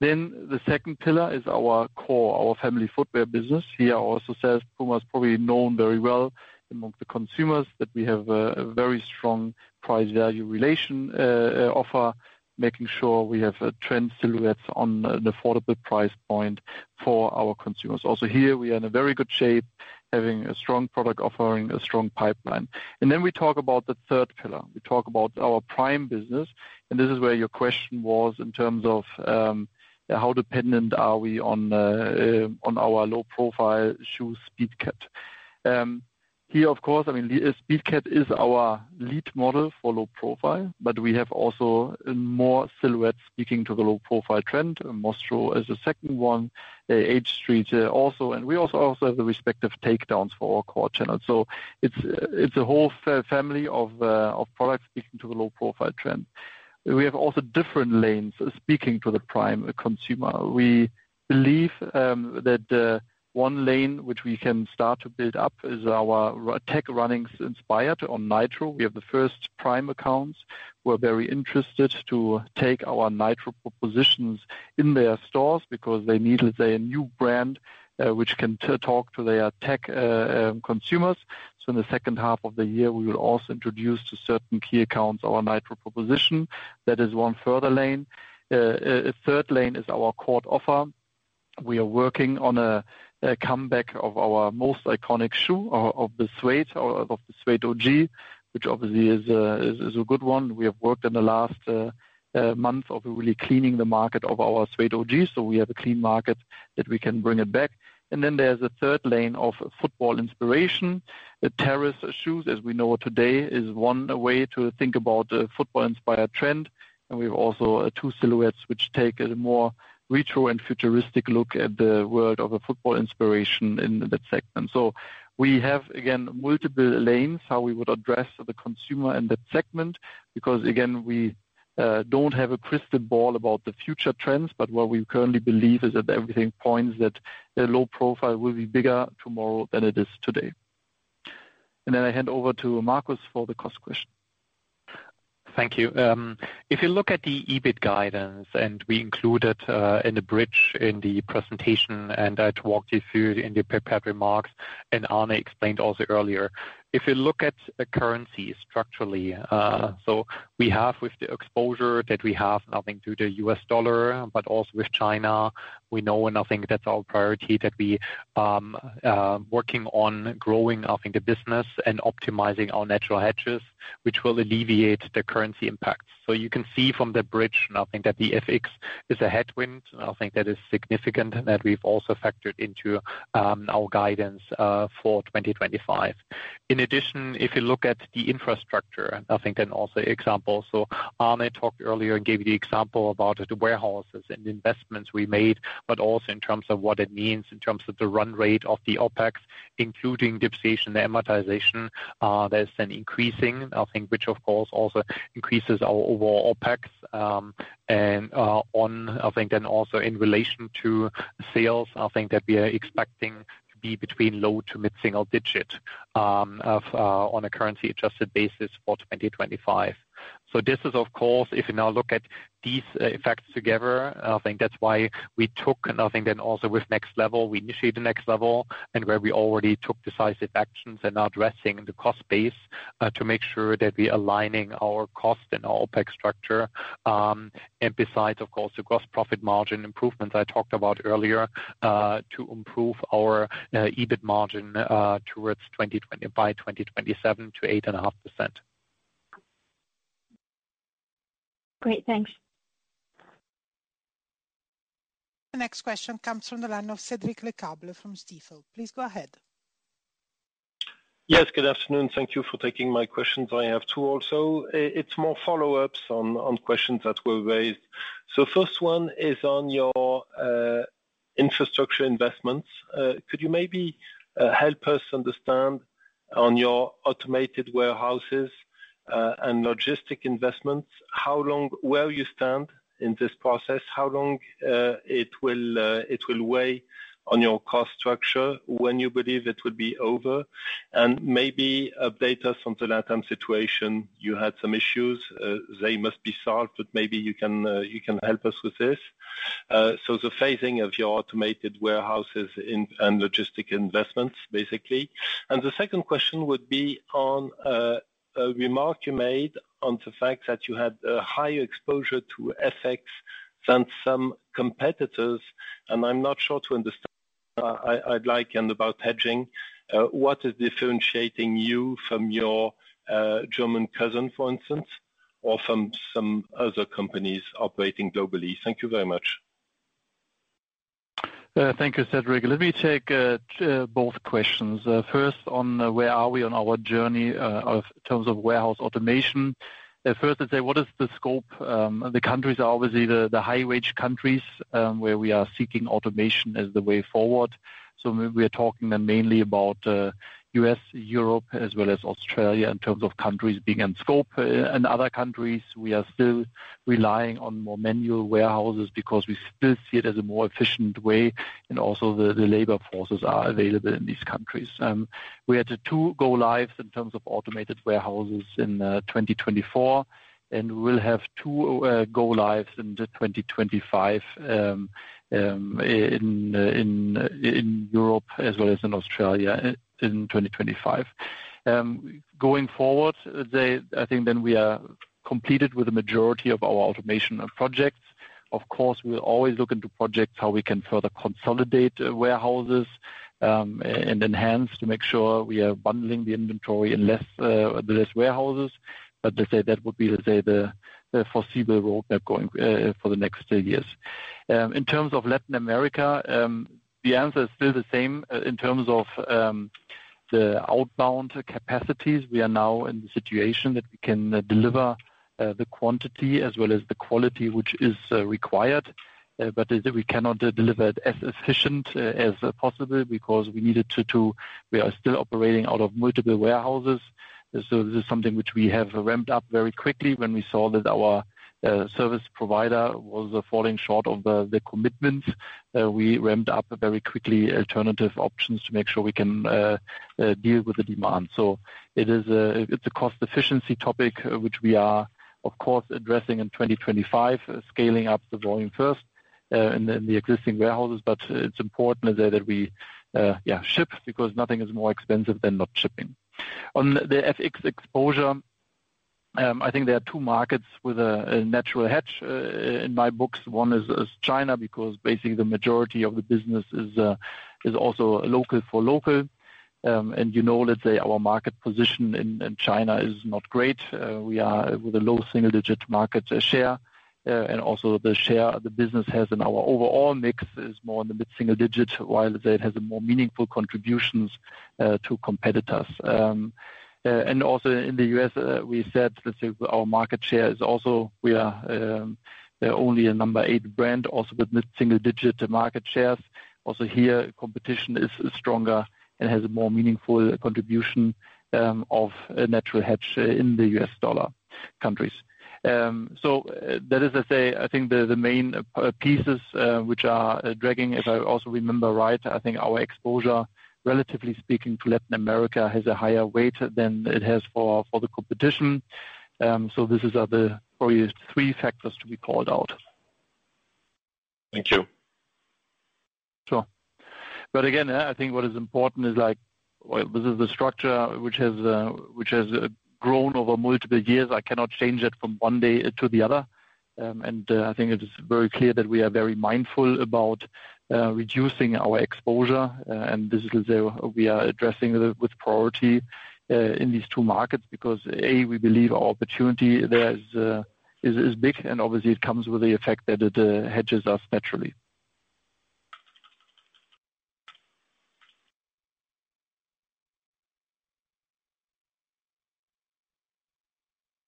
The second pillar is our core, our family footwear business. Here, I also say, as PUMA is probably known very well among the consumers, that we have a very strong price-value relation offer, making sure we have trend silhouettes on an affordable price point for our consumers. Also here, we are in a very good shape, having a strong product offering, a strong pipeline. We talk about the third pillar. We talk about our prime business. This is where your question was in terms of how dependent are we on our low-profile shoes, Speedcat. Here, of course, I mean, Speedcat is our lead model for low profile, but we have also more silhouettes speaking to the low profile trend. Mostro is the second one. H-Street also. We also have the respective takedowns for our core channel. It's a whole family of products speaking to the low profile trend. We have also different lanes speaking to the prime consumer. We believe that one lane which we can start to build up is our tech runnings inspired on NITRO. We have the first prime accounts. We're very interested to take our NITRO propositions in their stores because they need, let's say, a new brand which can talk to their tech consumers. In the second half of the year, we will also introduce to certain key accounts our NITRO proposition. That is one further lane. A third lane is our court offer. We are working on a comeback of our most iconic shoe, of the Suede, of the Suede OG, which obviously is a good one. We have worked in the last month of really cleaning the market of our Suede OG, so we have a clean market that we can bring it back. There is a third lane of football inspiration. The terrace shoes, as we know today, is one way to think about the football-inspired trend. We have also two silhouettes which take a more retro and futuristic look at the world of a football inspiration in that segment. We have, again, multiple lanes how we would address the consumer in that segment because, again, we do not have a crystal ball about the future trends, but what we currently believe is that everything points that low profile will be bigger tomorrow than it is today. I hand over to Markus for the cost question. Thank you. If you look at the EBIT guidance, and we included in the bridge in the presentation, and I talked you through in the prepared remarks, and Arne explained also earlier. If you look at currencies structurally, we have with the exposure that we have nothing to the U.S. dollar, but also with China, we know nothing that's our priority that we are working on growing our business and optimizing our natural hedges, which will alleviate the currency impacts. You can see from the bridge, nothing that the FX is a headwind. I think that is significant that we've also factored into our guidance for 2025. In addition, if you look at the infrastructure, I think then also example. Arne talked earlier and gave you the example about the warehouses and investments we made, but also in terms of what it means in terms of the run rate of the OpEx, including depreciation and amortization, there's an increasing, I think, which of course also increases our overall OpEx. I think then also in relation to sales, I think that we are expecting to be between low to mid-single digit on a currency-adjusted basis for 2025. This is, of course, if you now look at these effects together, I think that's why we took, and I think then also with Next Level, we initiated Next Level, and where we already took decisive actions and are addressing the cost base to make sure that we are aligning our cost and our OpEx structure. Besides, of course, the gross profit margin improvements I talked about earlier to improve our EBIT margin towards by 2027 to 8.5%. Great. Thanks. The next question comes from the line of Cedric Lecasble from Stifel. Please go ahead. Yes. Good afternoon. Thank you for taking my questions. I have two also. It's more follow-ups on questions that were raised. First one is on your infrastructure investments. Could you maybe help us understand on your automated warehouses and logistic investments, where you stand in this process, how long it will weigh on your cost structure when you believe it will be over, and maybe update us on the latter situation. You had some issues. They must be solved, but maybe you can help us with this. The phasing of your automated warehouses and logistic investments, basically. The second question would be on a remark you made on the fact that you had higher exposure to FX than some competitors. I'm not sure to understand. I'd like, in about hedging, what is differentiating you from your German cousin, for instance, or from some other companies operating globally? Thank you very much. Thank you, Cedric. Let me take both questions. First, on where are we on our journey in terms of warehouse automation? First, let's say, what is the scope? The countries are obviously the high-wage countries where we are seeking automation as the way forward. We are talking mainly about the U.S., Europe, as well as Australia in terms of countries being in scope. In other countries, we are still relying on more manual warehouses because we still see it as a more efficient way, and also the labor forces are available in these countries. We had two go-lives in terms of automated warehouses in 2024, and we will have two go-lives in 2025 in Europe, as well as in Australia in 2025. Going forward, I think then we are completed with the majority of our automation projects. Of course, we will always look into projects how we can further consolidate warehouses and enhance to make sure we are bundling the inventory in the less warehouses. Let's say that would be, let's say, the foreseeable roadmap going for the next three years. In terms of Latin America, the answer is still the same in terms of the outbound capacities. We are now in the situation that we can deliver the quantity as well as the quality which is required, but we cannot deliver it as efficiently as possible because we are still operating out of multiple warehouses. This is something which we have ramped up very quickly when we saw that our service provider was falling short of the commitments. We ramped up very quickly alternative options to make sure we can deal with the demand. It is a cost-efficiency topic which we are, of course, addressing in 2025, scaling up the volume first in the existing warehouses. It is important that we ship because nothing is more expensive than not shipping. On the FX exposure, I think there are two markets with a natural hedge in my books. One is China because basically the majority of the business is also local for local. Our market position in China is not great. We are with a low single-digit market share. Also, the share the business has in our overall mix is more in the mid-single digit, while it has more meaningful contributions to competitors. In the U.S., our market share is also—we are only a number eight brand, also with mid-single digit market shares. Here, competition is stronger and has a more meaningful contribution of a natural hedge in the U.S. dollar countries. That is, I think, the main pieces which are dragging. If I also remember right, our exposure, relatively speaking, to Latin America has a higher weight than it has for the competition. These are the three factors to be called out. Thank you. Sure. I think what is important is, this is the structure which has grown over multiple years. I cannot change it from one day to the other. I think it is very clear that we are very mindful about reducing our exposure. This is, let's say, we are addressing with priority in these two markets because, A, we believe our opportunity there is big, and obviously, it comes with the effect that it hedges us naturally.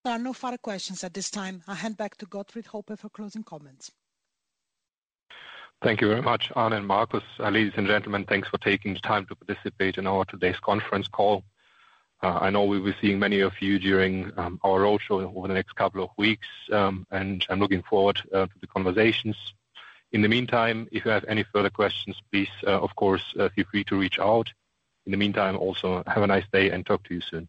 There are no further questions at this time. I'll hand back to Gottfried Hoppe for closing comments. Thank you very much, Arne and Markus. Ladies and gentlemen, thanks for taking the time to participate in our today's conference call. I know we'll be seeing many of you during our roadshow over the next couple of weeks, and I'm looking forward to the conversations. In the meantime, if you have any further questions, please, of course, feel free to reach out. In the meantime, also have a nice day and talk to you soon.